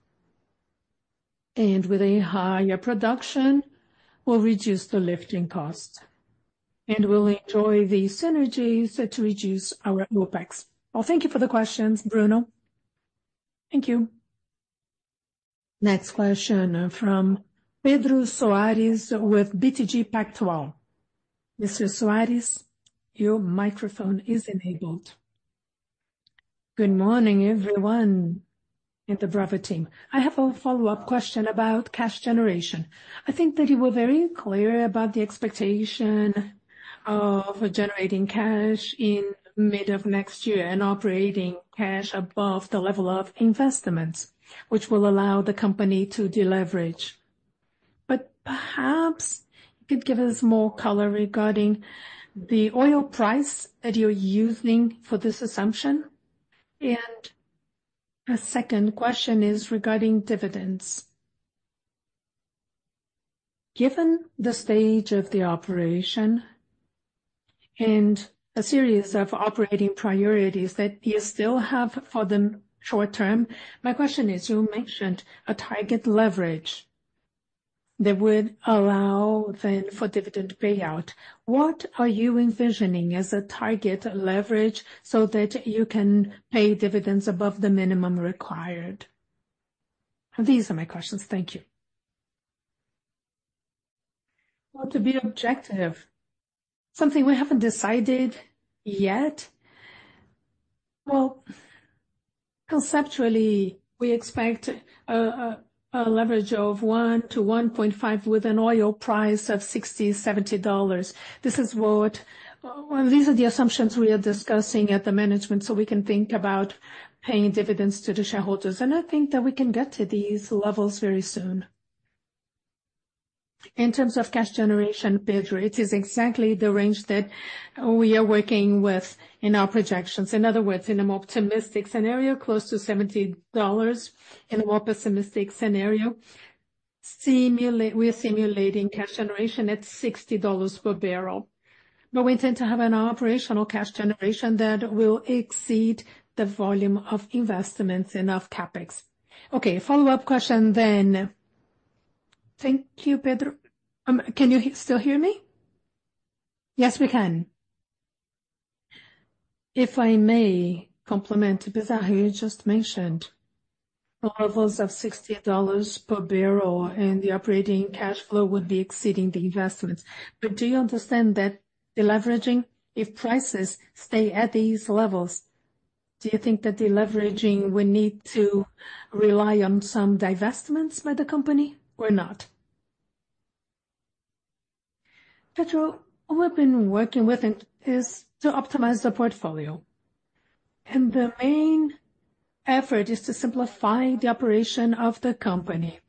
and with a higher production, we'll reduce the lifting cost, and we'll enjoy the synergies to reduce our OpEx. Well, thank you for the questions, Bruno. Thank you. Next question from Pedro Soares with BTG Pactual. Mr. Soares, your microphone is enabled. Good morning, everyone, and the Brava team. I have a follow-up question about cash generation. I think that you were very clear about the expectation of generating cash in mid of next year and operating cash above the level of investments, which will allow the company to deleverage. But perhaps you could give us more color regarding the oil price that you're using for this assumption. And a second question is regarding dividends. Given the stage of the operation and a series of operating priorities that you still have for the short term, my question is, you mentioned a target leverage that would allow then for dividend payout. What are you envisioning as a target leverage so that you can pay dividends above the minimum required? These are my questions. Thank you. To be objective, something we haven't decided yet. Conceptually, we expect a leverage of 1-1.5 with an oil price of $60-$70. These are the assumptions we are discussing at the management so we can think about paying dividends to the shareholders. I think that we can get to these levels very soon. In terms of cash generation, Pedro is exactly the range that we are working with in our projections. In other words, in a more optimistic scenario, close to $70. In a more pessimistic scenario, we're simulating cash generation at $60 per barrel. We intend to have an operational cash generation that will exceed the volume of investments and of CapEx. Okay, follow-up question then. Thank you, Pedro. Can you still hear me? Yes, we can. If I may complement Pizarro, you just mentioned levels of $60 per barrel and the operating cash flow would be exceeding the investments. But do you understand that the leveraging, if prices stay at these levels, do you think that the leveraging will need to rely on some divestments by the company or not? Pedro, what we've been working with is to optimize the portfolio. And the main effort is to simplify the operation of the company.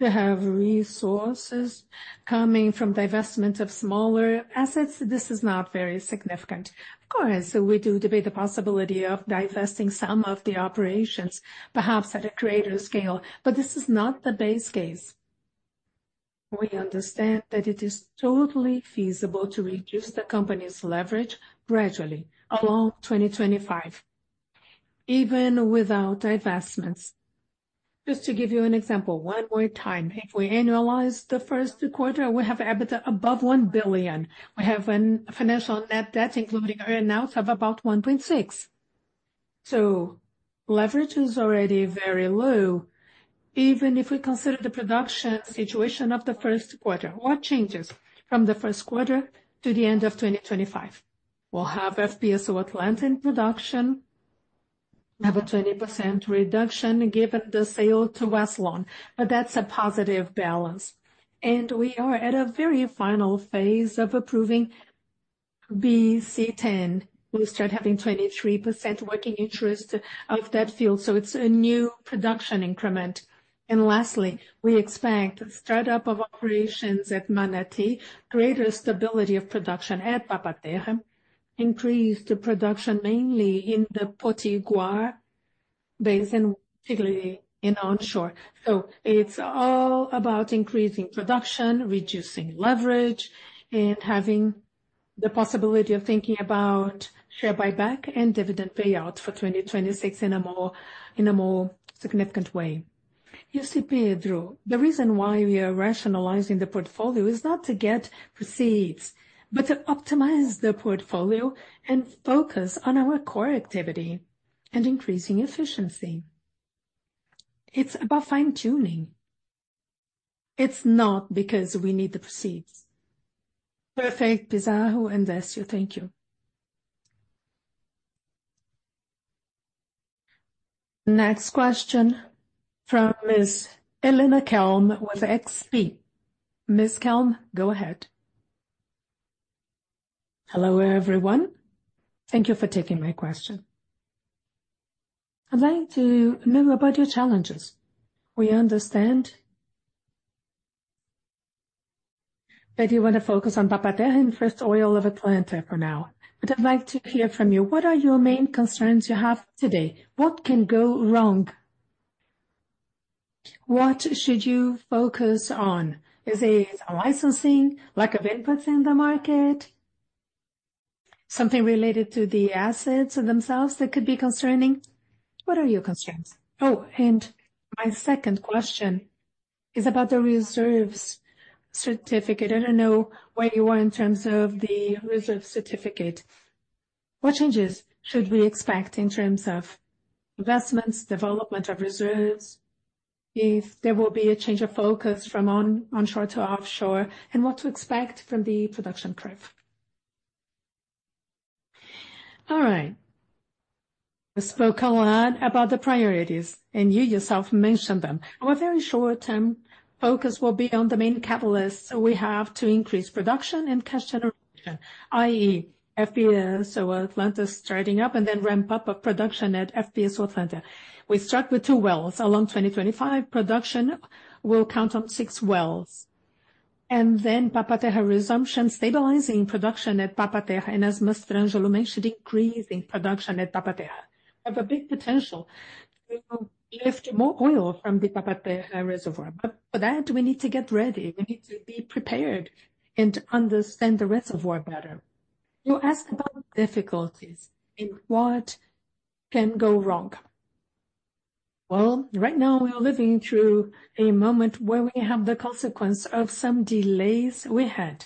To have resources coming from divestment of smaller assets, this is not very significant. Of course, we do debate the possibility of divesting some of the operations, perhaps at a greater scale, but this is not the base case. We understand that it is totally feasible to reduce the company's leverage gradually along 2025, even without divestments. Just to give you an example, one more time, if we annualize the first quarter, we have EBITDA above 1 billion. We have a financial net debt, including earnings, of about 1.6 billion. So leverage is already very low. Even if we consider the production situation of the first quarter, what changes from the first quarter to the end of 2025? We'll have FPSO Atlanta in production, have a 20% reduction given the sale to Westlawn, but that's a positive balance, and we are at a very final phase of approving BC-10. We'll start having 23% working interest of that field, so it's a new production increment, and lastly, we expect startup of operations at Manati, greater stability of production at Papa-Terra, increased production mainly in the Potiguar Basin, particularly in onshore, so it's all about increasing production, reducing leverage, and having the possibility of thinking about share buyback and dividend payout for 2026 in a more significant way. You see, Pedro, the reason why we are rationalizing the portfolio is not to get proceeds, but to optimize the portfolio and focus on our core activity and increasing efficiency. It's about fine-tuning. It's not because we need the proceeds. Perfect, Pizarro and Décio. Thank you. Next question from Ms. Helena Kelm with XP. Ms. Kelm, go ahead. Hello, everyone. Thank you for taking my question. I'd like to know about your challenges. We understand that you want to focus on Papa-Terra and first oil of Atlanta for now. But I'd like to hear from you. What are your main concerns you have today? What can go wrong? What should you focus on? Is it licensing, lack of inputs in the market, something related to the assets themselves that could be concerning? What are your concerns? Oh, and my second question is about the reserves certificate. I don't know where you are in terms of the reserve certificate. What changes should we expect in terms of investments, development of reserves, if there will be a change of focus from onshore to offshore, and what to expect from the production curve? All right. We spoke a lot about the priorities, and you yourself mentioned them. Our very short-term focus will be on the main catalysts we have to increase production and cash generation, i.e., FPSO Atlanta starting up and then ramp-up of production at FPSO Atlanta. We start with two wells. Along 2025, production will count on six wells, and then Papa-Terra resumption, stabilizing production at Papa-Terra. As Mastrangelo mentioned, increasing production at Papa-Terra. We have a big potential to lift more oil from the Papa-Terra reservoir. But for that, we need to get ready. We need to be prepared and to understand the reservoir better. You asked about difficulties and what can go wrong. Well, right now, we're living through a moment where we have the consequence of some delays we had,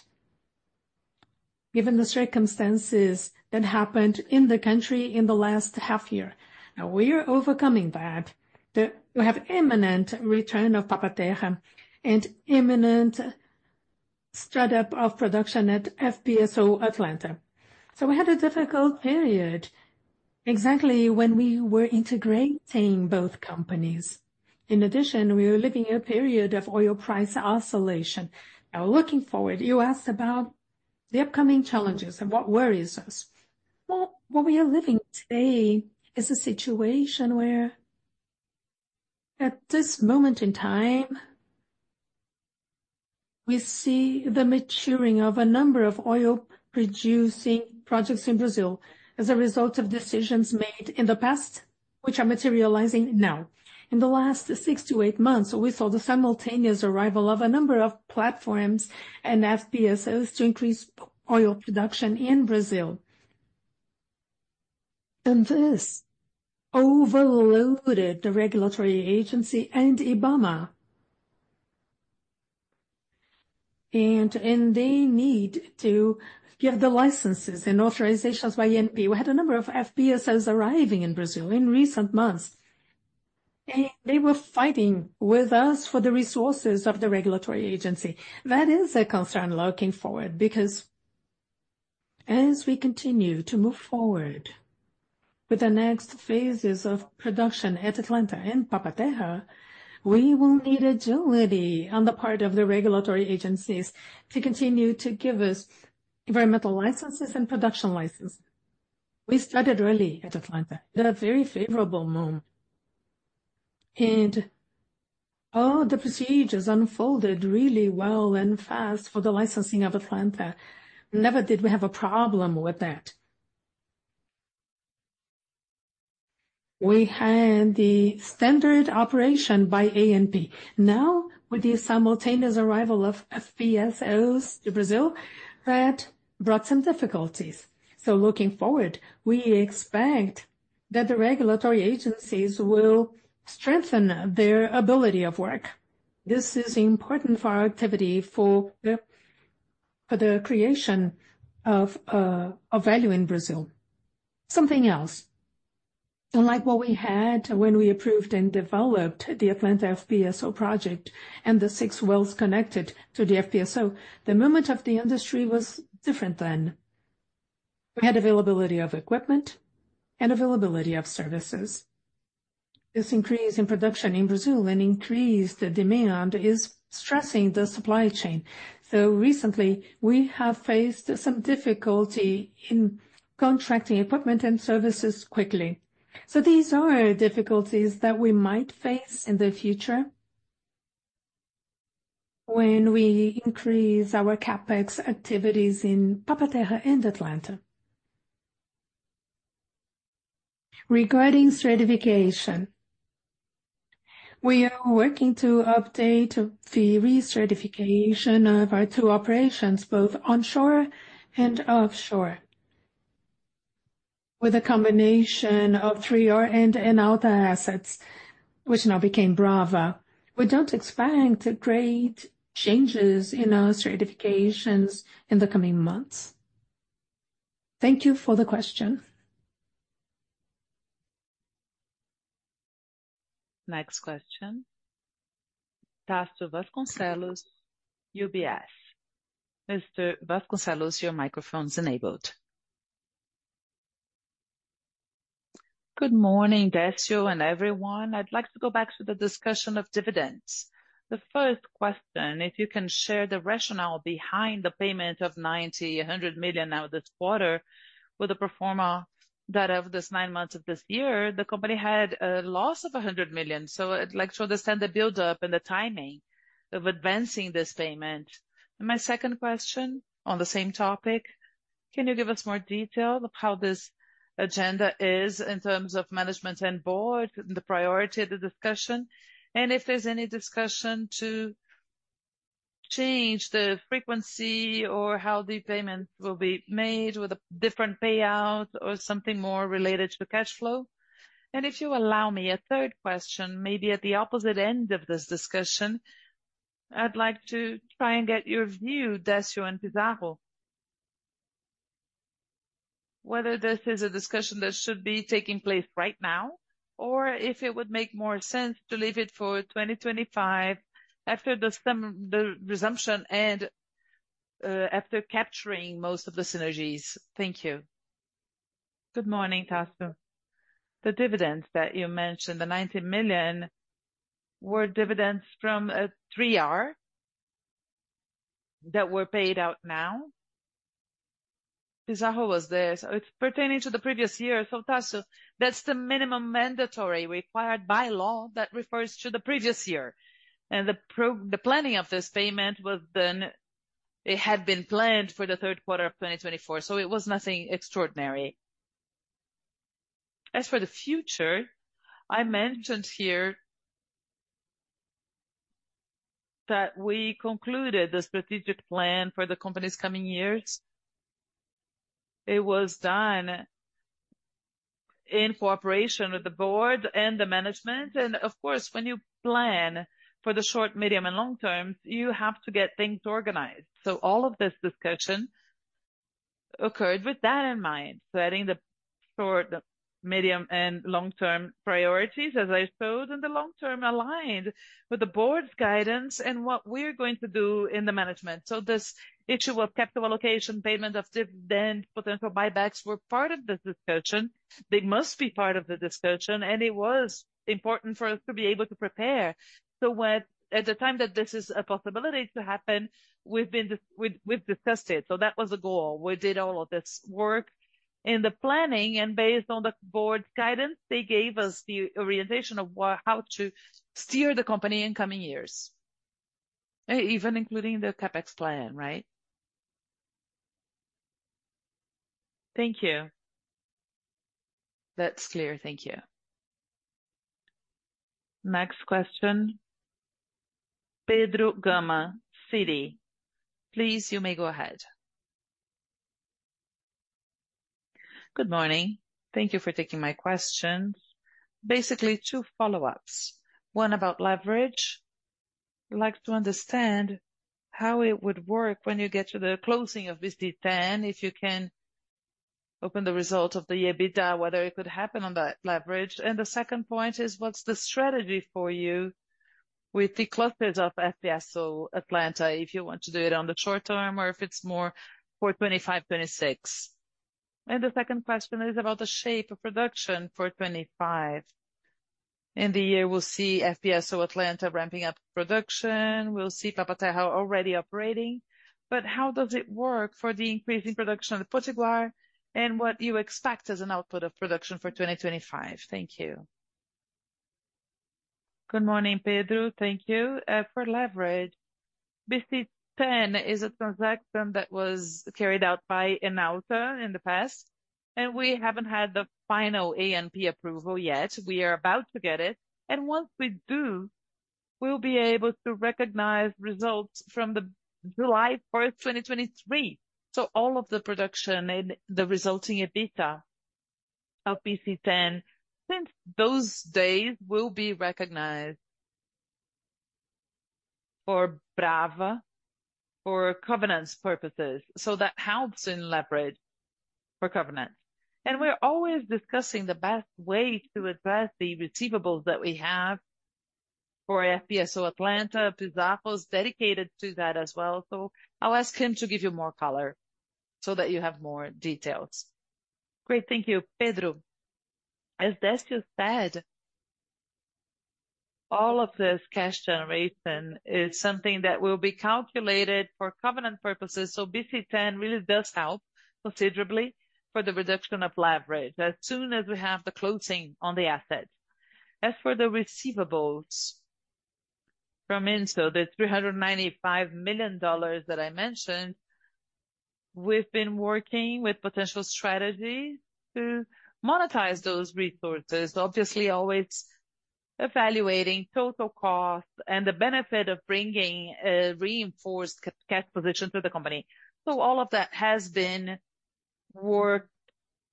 given the circumstances that happened in the country in the last half year. Now, we are overcoming that. We have imminent return of Papa-Terra and imminent startup of production at FPSO Atlanta. So we had a difficult period exactly when we were integrating both companies. In addition, we were living in a period of oil price oscillation. Now, looking forward, you asked about the upcoming challenges and what worries us. Well, what we are living today is a situation where at this moment in time, we see the maturing of a number of oil-producing projects in Brazil as a result of decisions made in the past, which are materializing now. In the last six to eight months, we saw the simultaneous arrival of a number of platforms and FPSOs to increase oil production in Brazil. And this overloaded the regulatory agency and IBAMA. And they need to give the licenses and authorizations by ANP. We had a number of FPSOs arriving in Brazil in recent months. And they were fighting with us for the resources of the regulatory agency. That is a concern looking forward because as we continue to move forward with the next phases of production at Atlanta and Papa-Terra, we will need agility on the part of the regulatory agencies to continue to give us environmental licenses and production licenses. We started early at Atlanta, a very favorable moment. And all the procedures unfolded really well and fast for the licensing of Atlanta. Never did we have a problem with that. We had the standard operation by ANP. Now, with the simultaneous arrival of FPSOs to Brazil, that brought some difficulties. So looking forward, we expect that the regulatory agencies will strengthen their ability of work. This is important for our activity for the creation of value in Brazil. Something else. Unlike what we had when we approved and developed the Atlanta FPSO project and the six wells connected to the FPSO, the moment of the industry was different then. We had availability of equipment and availability of services. This increase in production in Brazil and increased demand is stressing the supply chain. So recently, we have faced some difficulty in contracting equipment and services quickly. So these are difficulties that we might face in the future when we increase our CapEx activities in Papa-Terra and Atlanta. Regarding certification, we are working to update the recertification of our two operations, both onshore and offshore, with a combination of 3R and Enauta assets, which now became Brava. We don't expect great changes in our certifications in the coming months. Thank you for the question. Next question. Tássio Vasconcelos, UBS. Mr. Vasconcelos, your microphone's enabled. Good morning, Décio and everyone. I'd like to go back to the discussion of dividends. The first question, if you can share the rationale behind the payment of $90-$100 million now this quarter with the pro forma that of this nine months of this year, the company had a loss of 100 million. So I'd like to understand the build-up and the timing of advancing this payment. And my second question on the same topic, can you give us more detail of how this agenda is in terms of management and board, the priority of the discussion, and if there's any discussion to change the frequency or how the payments will be made with a different payout or something more related to cash flow? And if you allow me a third question, maybe at the opposite end of this discussion, I'd like to try and get your view, Décio and Pizarro, whether this is a discussion that should be taking place right now or if it would make more sense to leave it for 2025 after the resumption and after capturing most of the synergies. Thank you. Good morning, Tássio. The dividends that you mentioned, the 90 million, were dividends from a 3R that were paid out now? Pizarro was there. It's pertaining to the previous year. Tássio, that's the minimum mandatory required by law that refers to the previous year. The planning of this payment was done. It had been planned for the third quarter of 2024, so it was nothing extraordinary. As for the future, I mentioned here that we concluded the strategic plan for the company's coming years. It was done in cooperation with the board and the management. Of course, when you plan for the short, medium, and long term, you have to get things organized. All of this discussion occurred with that in mind, setting the short, medium, and long-term priorities, as I showed, and the long-term aligned with the board's guidance and what we're going to do in the management. This issue of capital allocation, payment of dividends, potential buybacks were part of the discussion. They must be part of the discussion, and it was important for us to be able to prepare. So at the time that this is a possibility to happen, we've discussed it. So that was a goal. We did all of this work in the planning, and based on the board's guidance, they gave us the orientation of how to steer the company in coming years. Even including the CapEx plan, right? Thank you. That's clear. Thank you. Next question. Pedro Gama, Citi. Please, you may go ahead. Good morning. Thank you for taking my questions. Basically, two follow-ups. One about leverage. I'd like to understand how it would work when you get to the closing of BC-10, if you can open the result of the EBITDA, whether it could happen on that leverage. The second point is, what's the strategy for you with the clusters of FPSO Atlanta, if you want to do it on the short term or if it's more for 2025-2026? The second question is about the shape of production for 2025. In the year, we'll see FPSO Atlanta ramping up production. We'll see Papa-Terra already operating. But how does it work for the increasing production of the Potiguar and what you expect as an output of production for 2025? Thank you. Good morning, Pedro. Thank you. For leverage, BC-10 is a transaction that was carried out by Enalta in the past, and we haven't had the final ANP approval yet. We are about to get it. And once we do, we'll be able to recognize results from July 1st, 2023. So all of the production and the resulting EBITDA of BC-10 since those days will be recognized for Brava, for covenants purposes. So that helps in leverage for covenants. And we're always discussing the best way to address the receivables that we have for FPSO Atlanta. Pizarro's dedicated to that as well. So I'll ask him to give you more color so that you have more details. Great. Thank you, Pedro. As Décio said, all of this cash generation is something that will be calculated for covenant purposes. So BC-10 really does help considerably for the reduction of leverage as soon as we have the closing on the assets. As for the receivables from Yinson, the $395 million that I mentioned, we've been working with potential strategies to monetize those resources, obviously always evaluating total cost and the benefit of bringing a reinforced cash position to the company. So all of that has been worked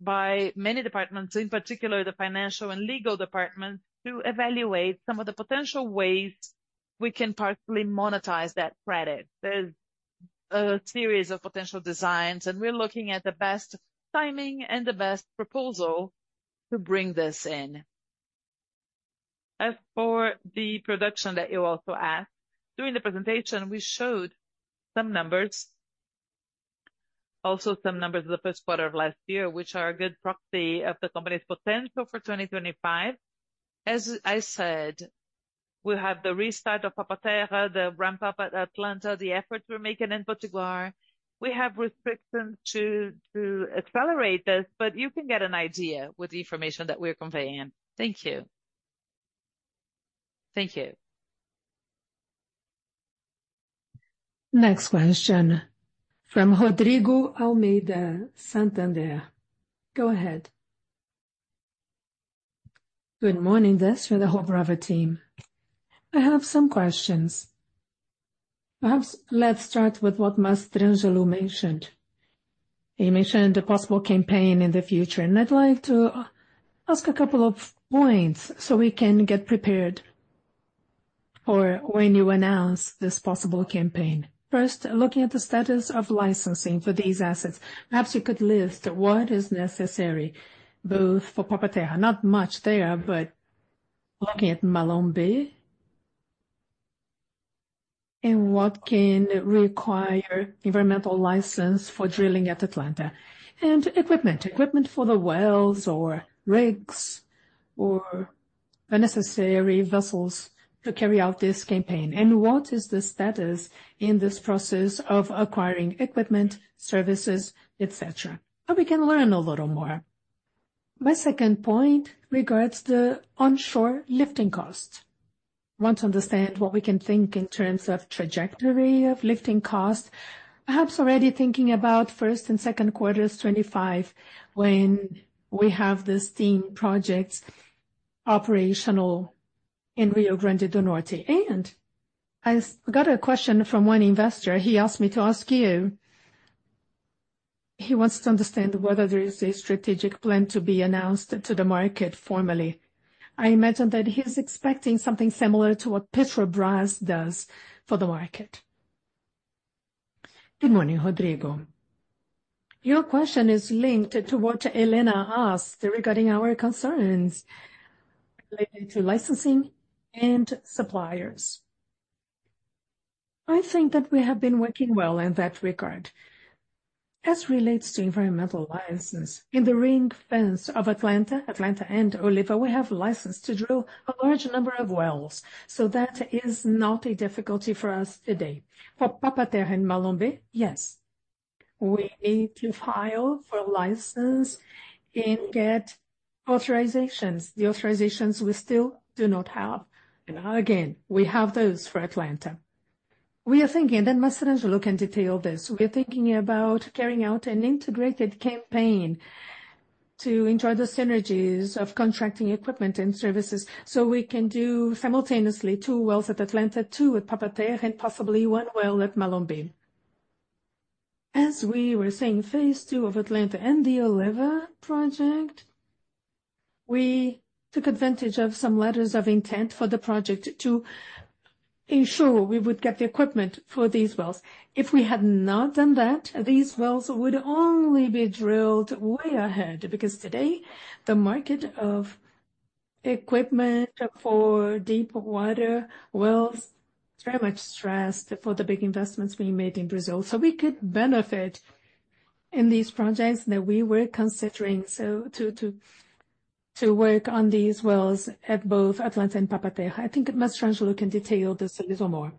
by many departments, in particular the financial and legal departments, to evaluate some of the potential ways we can partially monetize that credit. There's a series of potential designs, and we're looking at the best timing and the best proposal to bring this in. As for the production that you also asked, during the presentation, we showed some numbers, also some numbers of the first quarter of last year, which are a good proxy of the company's potential for 2025. As I said, we have the restart of Papa-Terra, the ramp-up at Atlanta, the efforts we're making in Potiguar. We have restrictions to accelerate this, but you can get an idea with the information that we're conveying. Thank you. Thank you. Next question from Rodrigo Almeida Santander. Go ahead. Good morning, Décio and the whole Brava team. I have some questions. Let's start with what Mastrangelo mentioned. He mentioned a possible campaign in the future, and I'd like to ask a couple of points so we can get prepared for when you announce this possible campaign. First, looking at the status of licensing for these assets, perhaps you could list what is necessary both for Papa-Terra, not much there, but looking at Malombe, and what can require environmental license for drilling at Atlanta, and equipment, equipment for the wells or rigs or the necessary vessels to carry out this campaign, and what is the status in this process of acquiring equipment, services, et cetera, so we can learn a little more. My second point regards the onshore lifting cost. I want to understand what we can think in terms of trajectory of lifting cost, perhaps already thinking about first and second quarters 2025 when we have this steam project operational in Rio Grande do Norte. I got a question from one investor. He asked me to ask you. He wants to understand whether there is a strategic plan to be announced to the market formally. I imagine that he's expecting something similar to what Petrobras does for the market. Good morning, Rodrigo. Your question is linked to what Helena asked regarding our concerns related to licensing and suppliers. I think that we have been working well in that regard. As relates to environmental license, in the ring fence of Atlanta, Atlanta and Oliva, we have license to drill a large number of wells, so that is not a difficulty for us today. For Papa-Terra and Malombe, yes. We need to file for license and get authorizations. The authorizations we still do not have, and again, we have those for Atlanta. We are thinking that Mastrangelo can detail this. We are thinking about carrying out an integrated campaign to enjoy the synergies of contracting equipment and services so we can do simultaneously two wells at Atlanta, two at Papa-Terra, and possibly one well at Malombe. As we were saying, phase two of Atlanta and the Oliva project, we took advantage of some letters of intent for the project to ensure we would get the equipment for these wells. If we had not done that, these wells would only be drilled way ahead because today, the market of equipment for deep water wells is very much stressed for the big investments we made in Brazil. We could benefit in these projects that we were considering to work on these wells at both Atlanta and Papa-Terra. I think Mastrangelo can detail this a little more.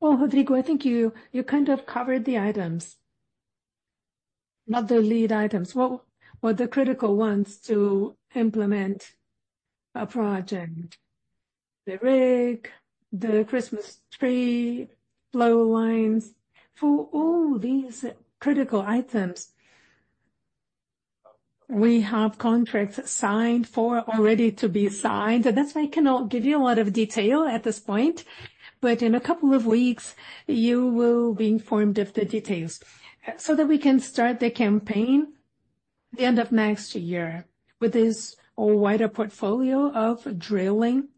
Well, Rodrigo, I think you kind of covered the items, not the lead items, but the critical ones to implement a project, the rig, the Christmas tree, flow lines. For all these critical items, we have contracts signed for already to be signed. That's why I cannot give you a lot of detail at this point, but in a couple of weeks, you will be informed of the details so that we can start the campaign at the end of next year with this wider portfolio of drilling.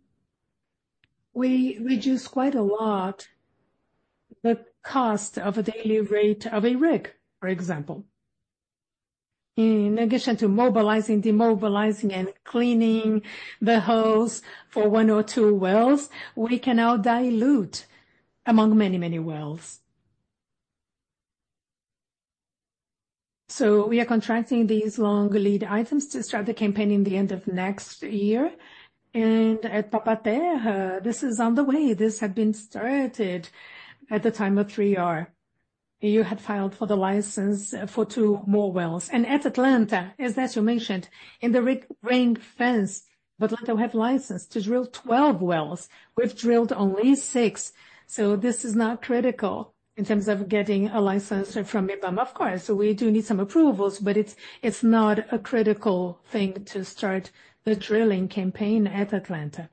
We reduce quite a lot the cost of a daily rate of a rig, for example. In addition to mobilizing, demobilizing, and cleaning the hose for one or two wells, we can now dilute among many, many wells. So we are contracting these long lead items to start the campaign in the end of next year. And at Papa-Terra, this is on the way. This had been started at the time of 3R. You had filed for the license for two more wells. And at Atlanta, as Décio mentioned, in the ring fence, Atlanta will have license to drill 12 wells. We've drilled only six. So this is not critical in terms of getting a license from IBAMA. Of course, we do need some approvals, but it's not a critical thing to start the drilling campaign at Atlanta.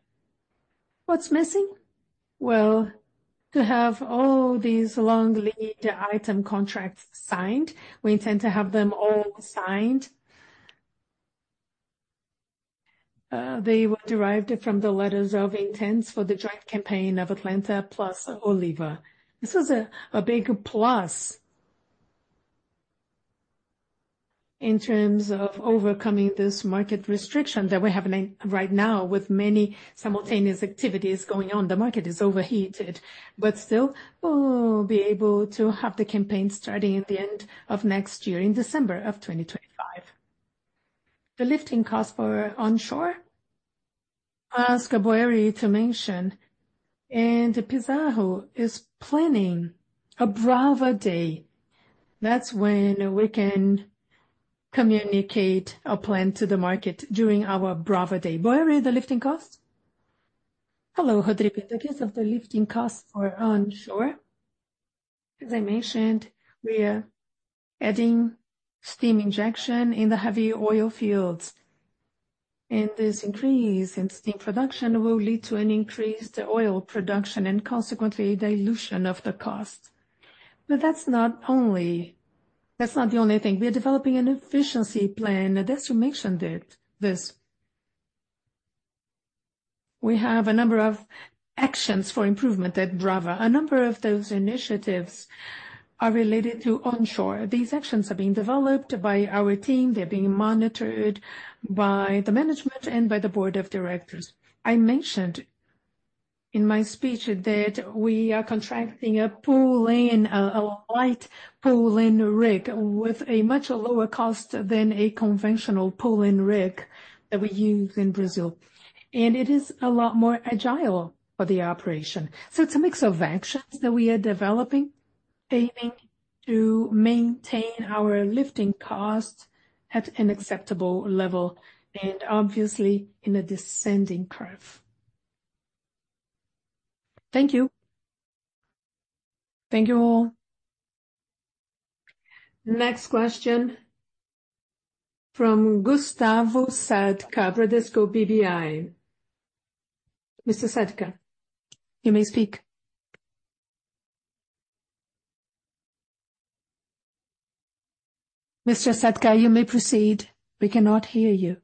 What's missing? Well, to have all these long lead item contracts signed, we intend to have them all signed. They were derived from the letters of intent for the joint campaign of Atlanta plus Oliva. This is a big plus in terms of overcoming this market restriction that we're having right now with many simultaneous activities going on. The market is overheated, but still we'll be able to have the campaign starting at the end of next year in December of 2025. The lifting cost for onshore, ask Boeri to mention, and Pizarro is planning a Brava Day. That's when we can communicate a plan to the market during our Brava Day. Boeri, the lifting cost? Hello, Rodrigo. The case of the lifting cost for onshore, as I mentioned, we are adding steam injection in the heavy oil fields. And this increase in steam production will lead to an increased oil production and consequently a dilution of the cost. But that's not the only thing. We are developing an efficiency plan. Décio mentioned it. We have a number of actions for improvement at Brava. A number of those initiatives are related to onshore. These actions have been developed by our team. They're being monitored by the management and by the board of directors. I mentioned in my speech that we are contracting a light pulling rig with a much lower cost than a conventional pulling rig that we use in Brazil. And it is a lot more agile for the operation. So it's a mix of actions that we are developing, aiming to maintain our lifting cost at an acceptable level and obviously in a descending curve. Thank you. Thank you all. Next question from Gustavo Sadka, Bradesco BBI. Mr. Sadka, you may speak. Mr. Sadka, you may proceed. We cannot hear you.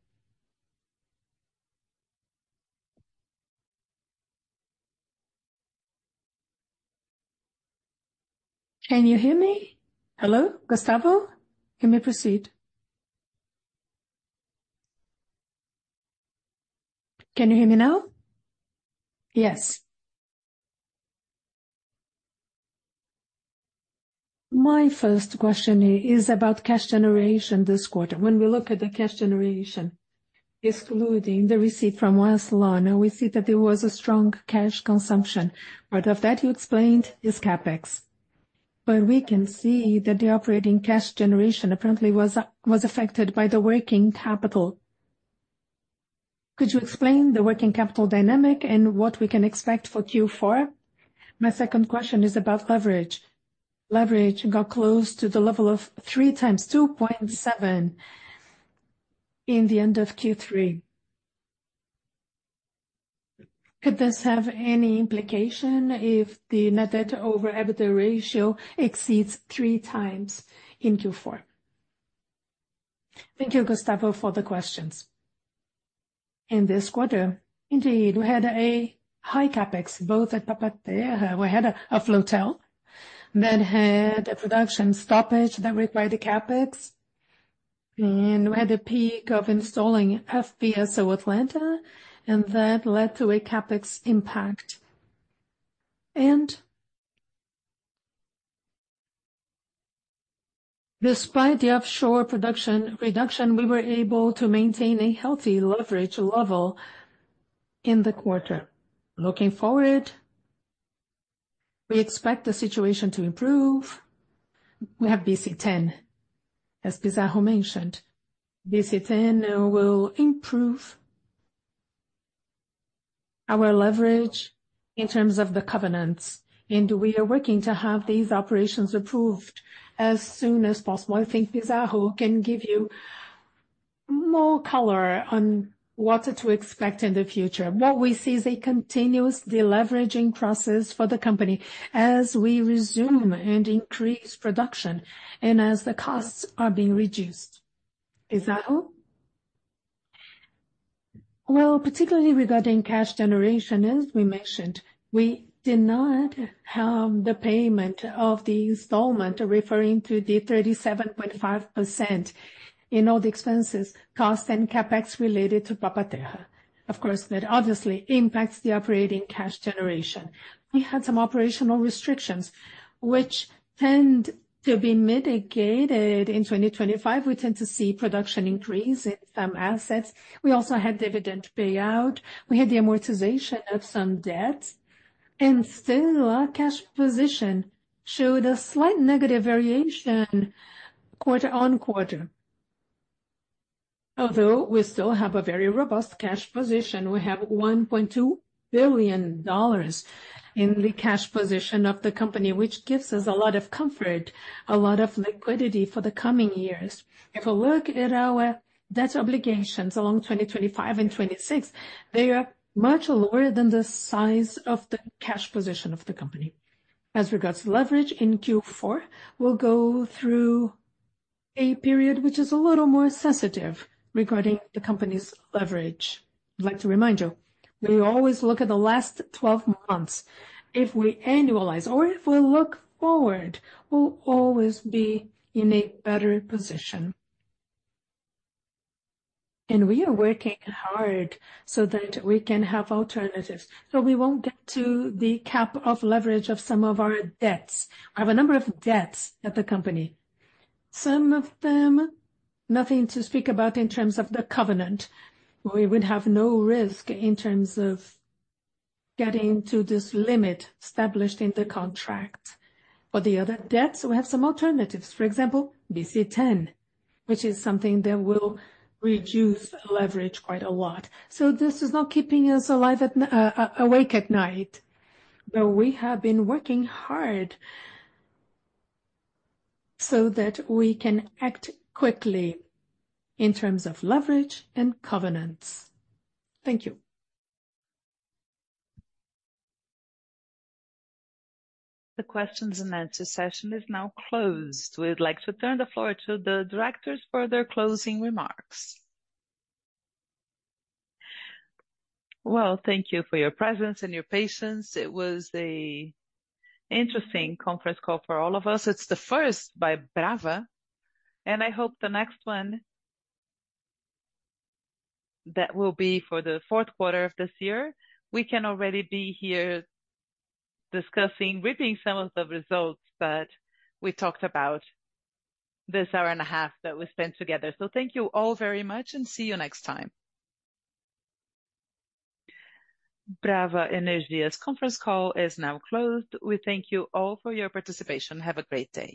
Can you hear me? Hello, Gustavo? You may proceed. Can you hear me now? Yes. My first question is about cash generation this quarter. When we look at the cash generation, excluding the receipt from Westlawn, we see that there was a strong cash consumption. Part of that you explained is CapEx. But we can see that the operating cash generation apparently was affected by the working capital. Could you explain the working capital dynamic and what we can expect for Q4? My second question is about leverage. Leverage got close to the level of 3 times 2.7 in the end of Q3. Could this have any implication if the net debt over EBITDA ratio exceeds three times in Q4? Thank you, Gustavo, for the questions. In this quarter, indeed, we had a high CapEx both at Papa-Terra. We had a flotel that had a production stoppage that required the CapEx. We had a peak of installing FPSO Atlanta, and that led to a CapEx impact. Despite the offshore production reduction, we were able to maintain a healthy leverage level in the quarter. Looking forward, we expect the situation to improve. We have BC-10, as Pizarro mentioned. BC-10 will improve our leverage in terms of the covenants. We are working to have these operations approved as soon as possible. I think Pizarro can give you more color on what to expect in the future. What we see is a continuous deleveraging process for the company as we resume and increase production and as the costs are being reduced. Pizarro? Particularly regarding cash generation, as we mentioned, we did not have the payment of the installment referring to the 37.5% in all the expenses, cost, and CapEx related to Papa-Terra. Of course, that obviously impacts the operating cash generation. We had some operational restrictions, which tend to be mitigated. In 2025, we tend to see production increase in some assets. We also had dividend payout. We had the amortization of some debts. And still, our cash position showed a slight negative variation quarter on quarter. Although we still have a very robust cash position, we have $1.2 billion in the cash position of the company, which gives us a lot of comfort, a lot of liquidity for the coming years. If we look at our debt obligations along 2025 and 2026, they are much lower than the size of the cash position of the company. As regards to leverage in Q4, we'll go through a period which is a little more sensitive regarding the company's leverage. I'd like to remind you, we always look at the last 12 months. If we annualize or if we look forward, we'll always be in a better position, and we are working hard so that we can have alternatives, so we won't get to the cap of leverage of some of our debts. We have a number of debts at the company. Some of them, nothing to speak about in terms of the covenant. We would have no risk in terms of getting to this limit established in the contract. For the other debts, we have some alternatives. For example, BC-10, which is something that will reduce leverage quite a lot, so this is not keeping us awake at night, but we have been working hard so that we can act quickly in terms of leverage and covenants. Thank you. The questions and answers session is now closed. We'd like to turn the floor to the directors for their closing remarks. Thank you for your presence and your patience. It was an interesting conference call for all of us. It's the first by Brava. I hope the next one that will be for the fourth quarter of this year, we can already be here discussing, reaping some of the results that we talked about this hour and a half that we spent together. Thank you all very much and see you next time. Brava Energia's conference call is now closed. We thank you all for your participation. Have a great day.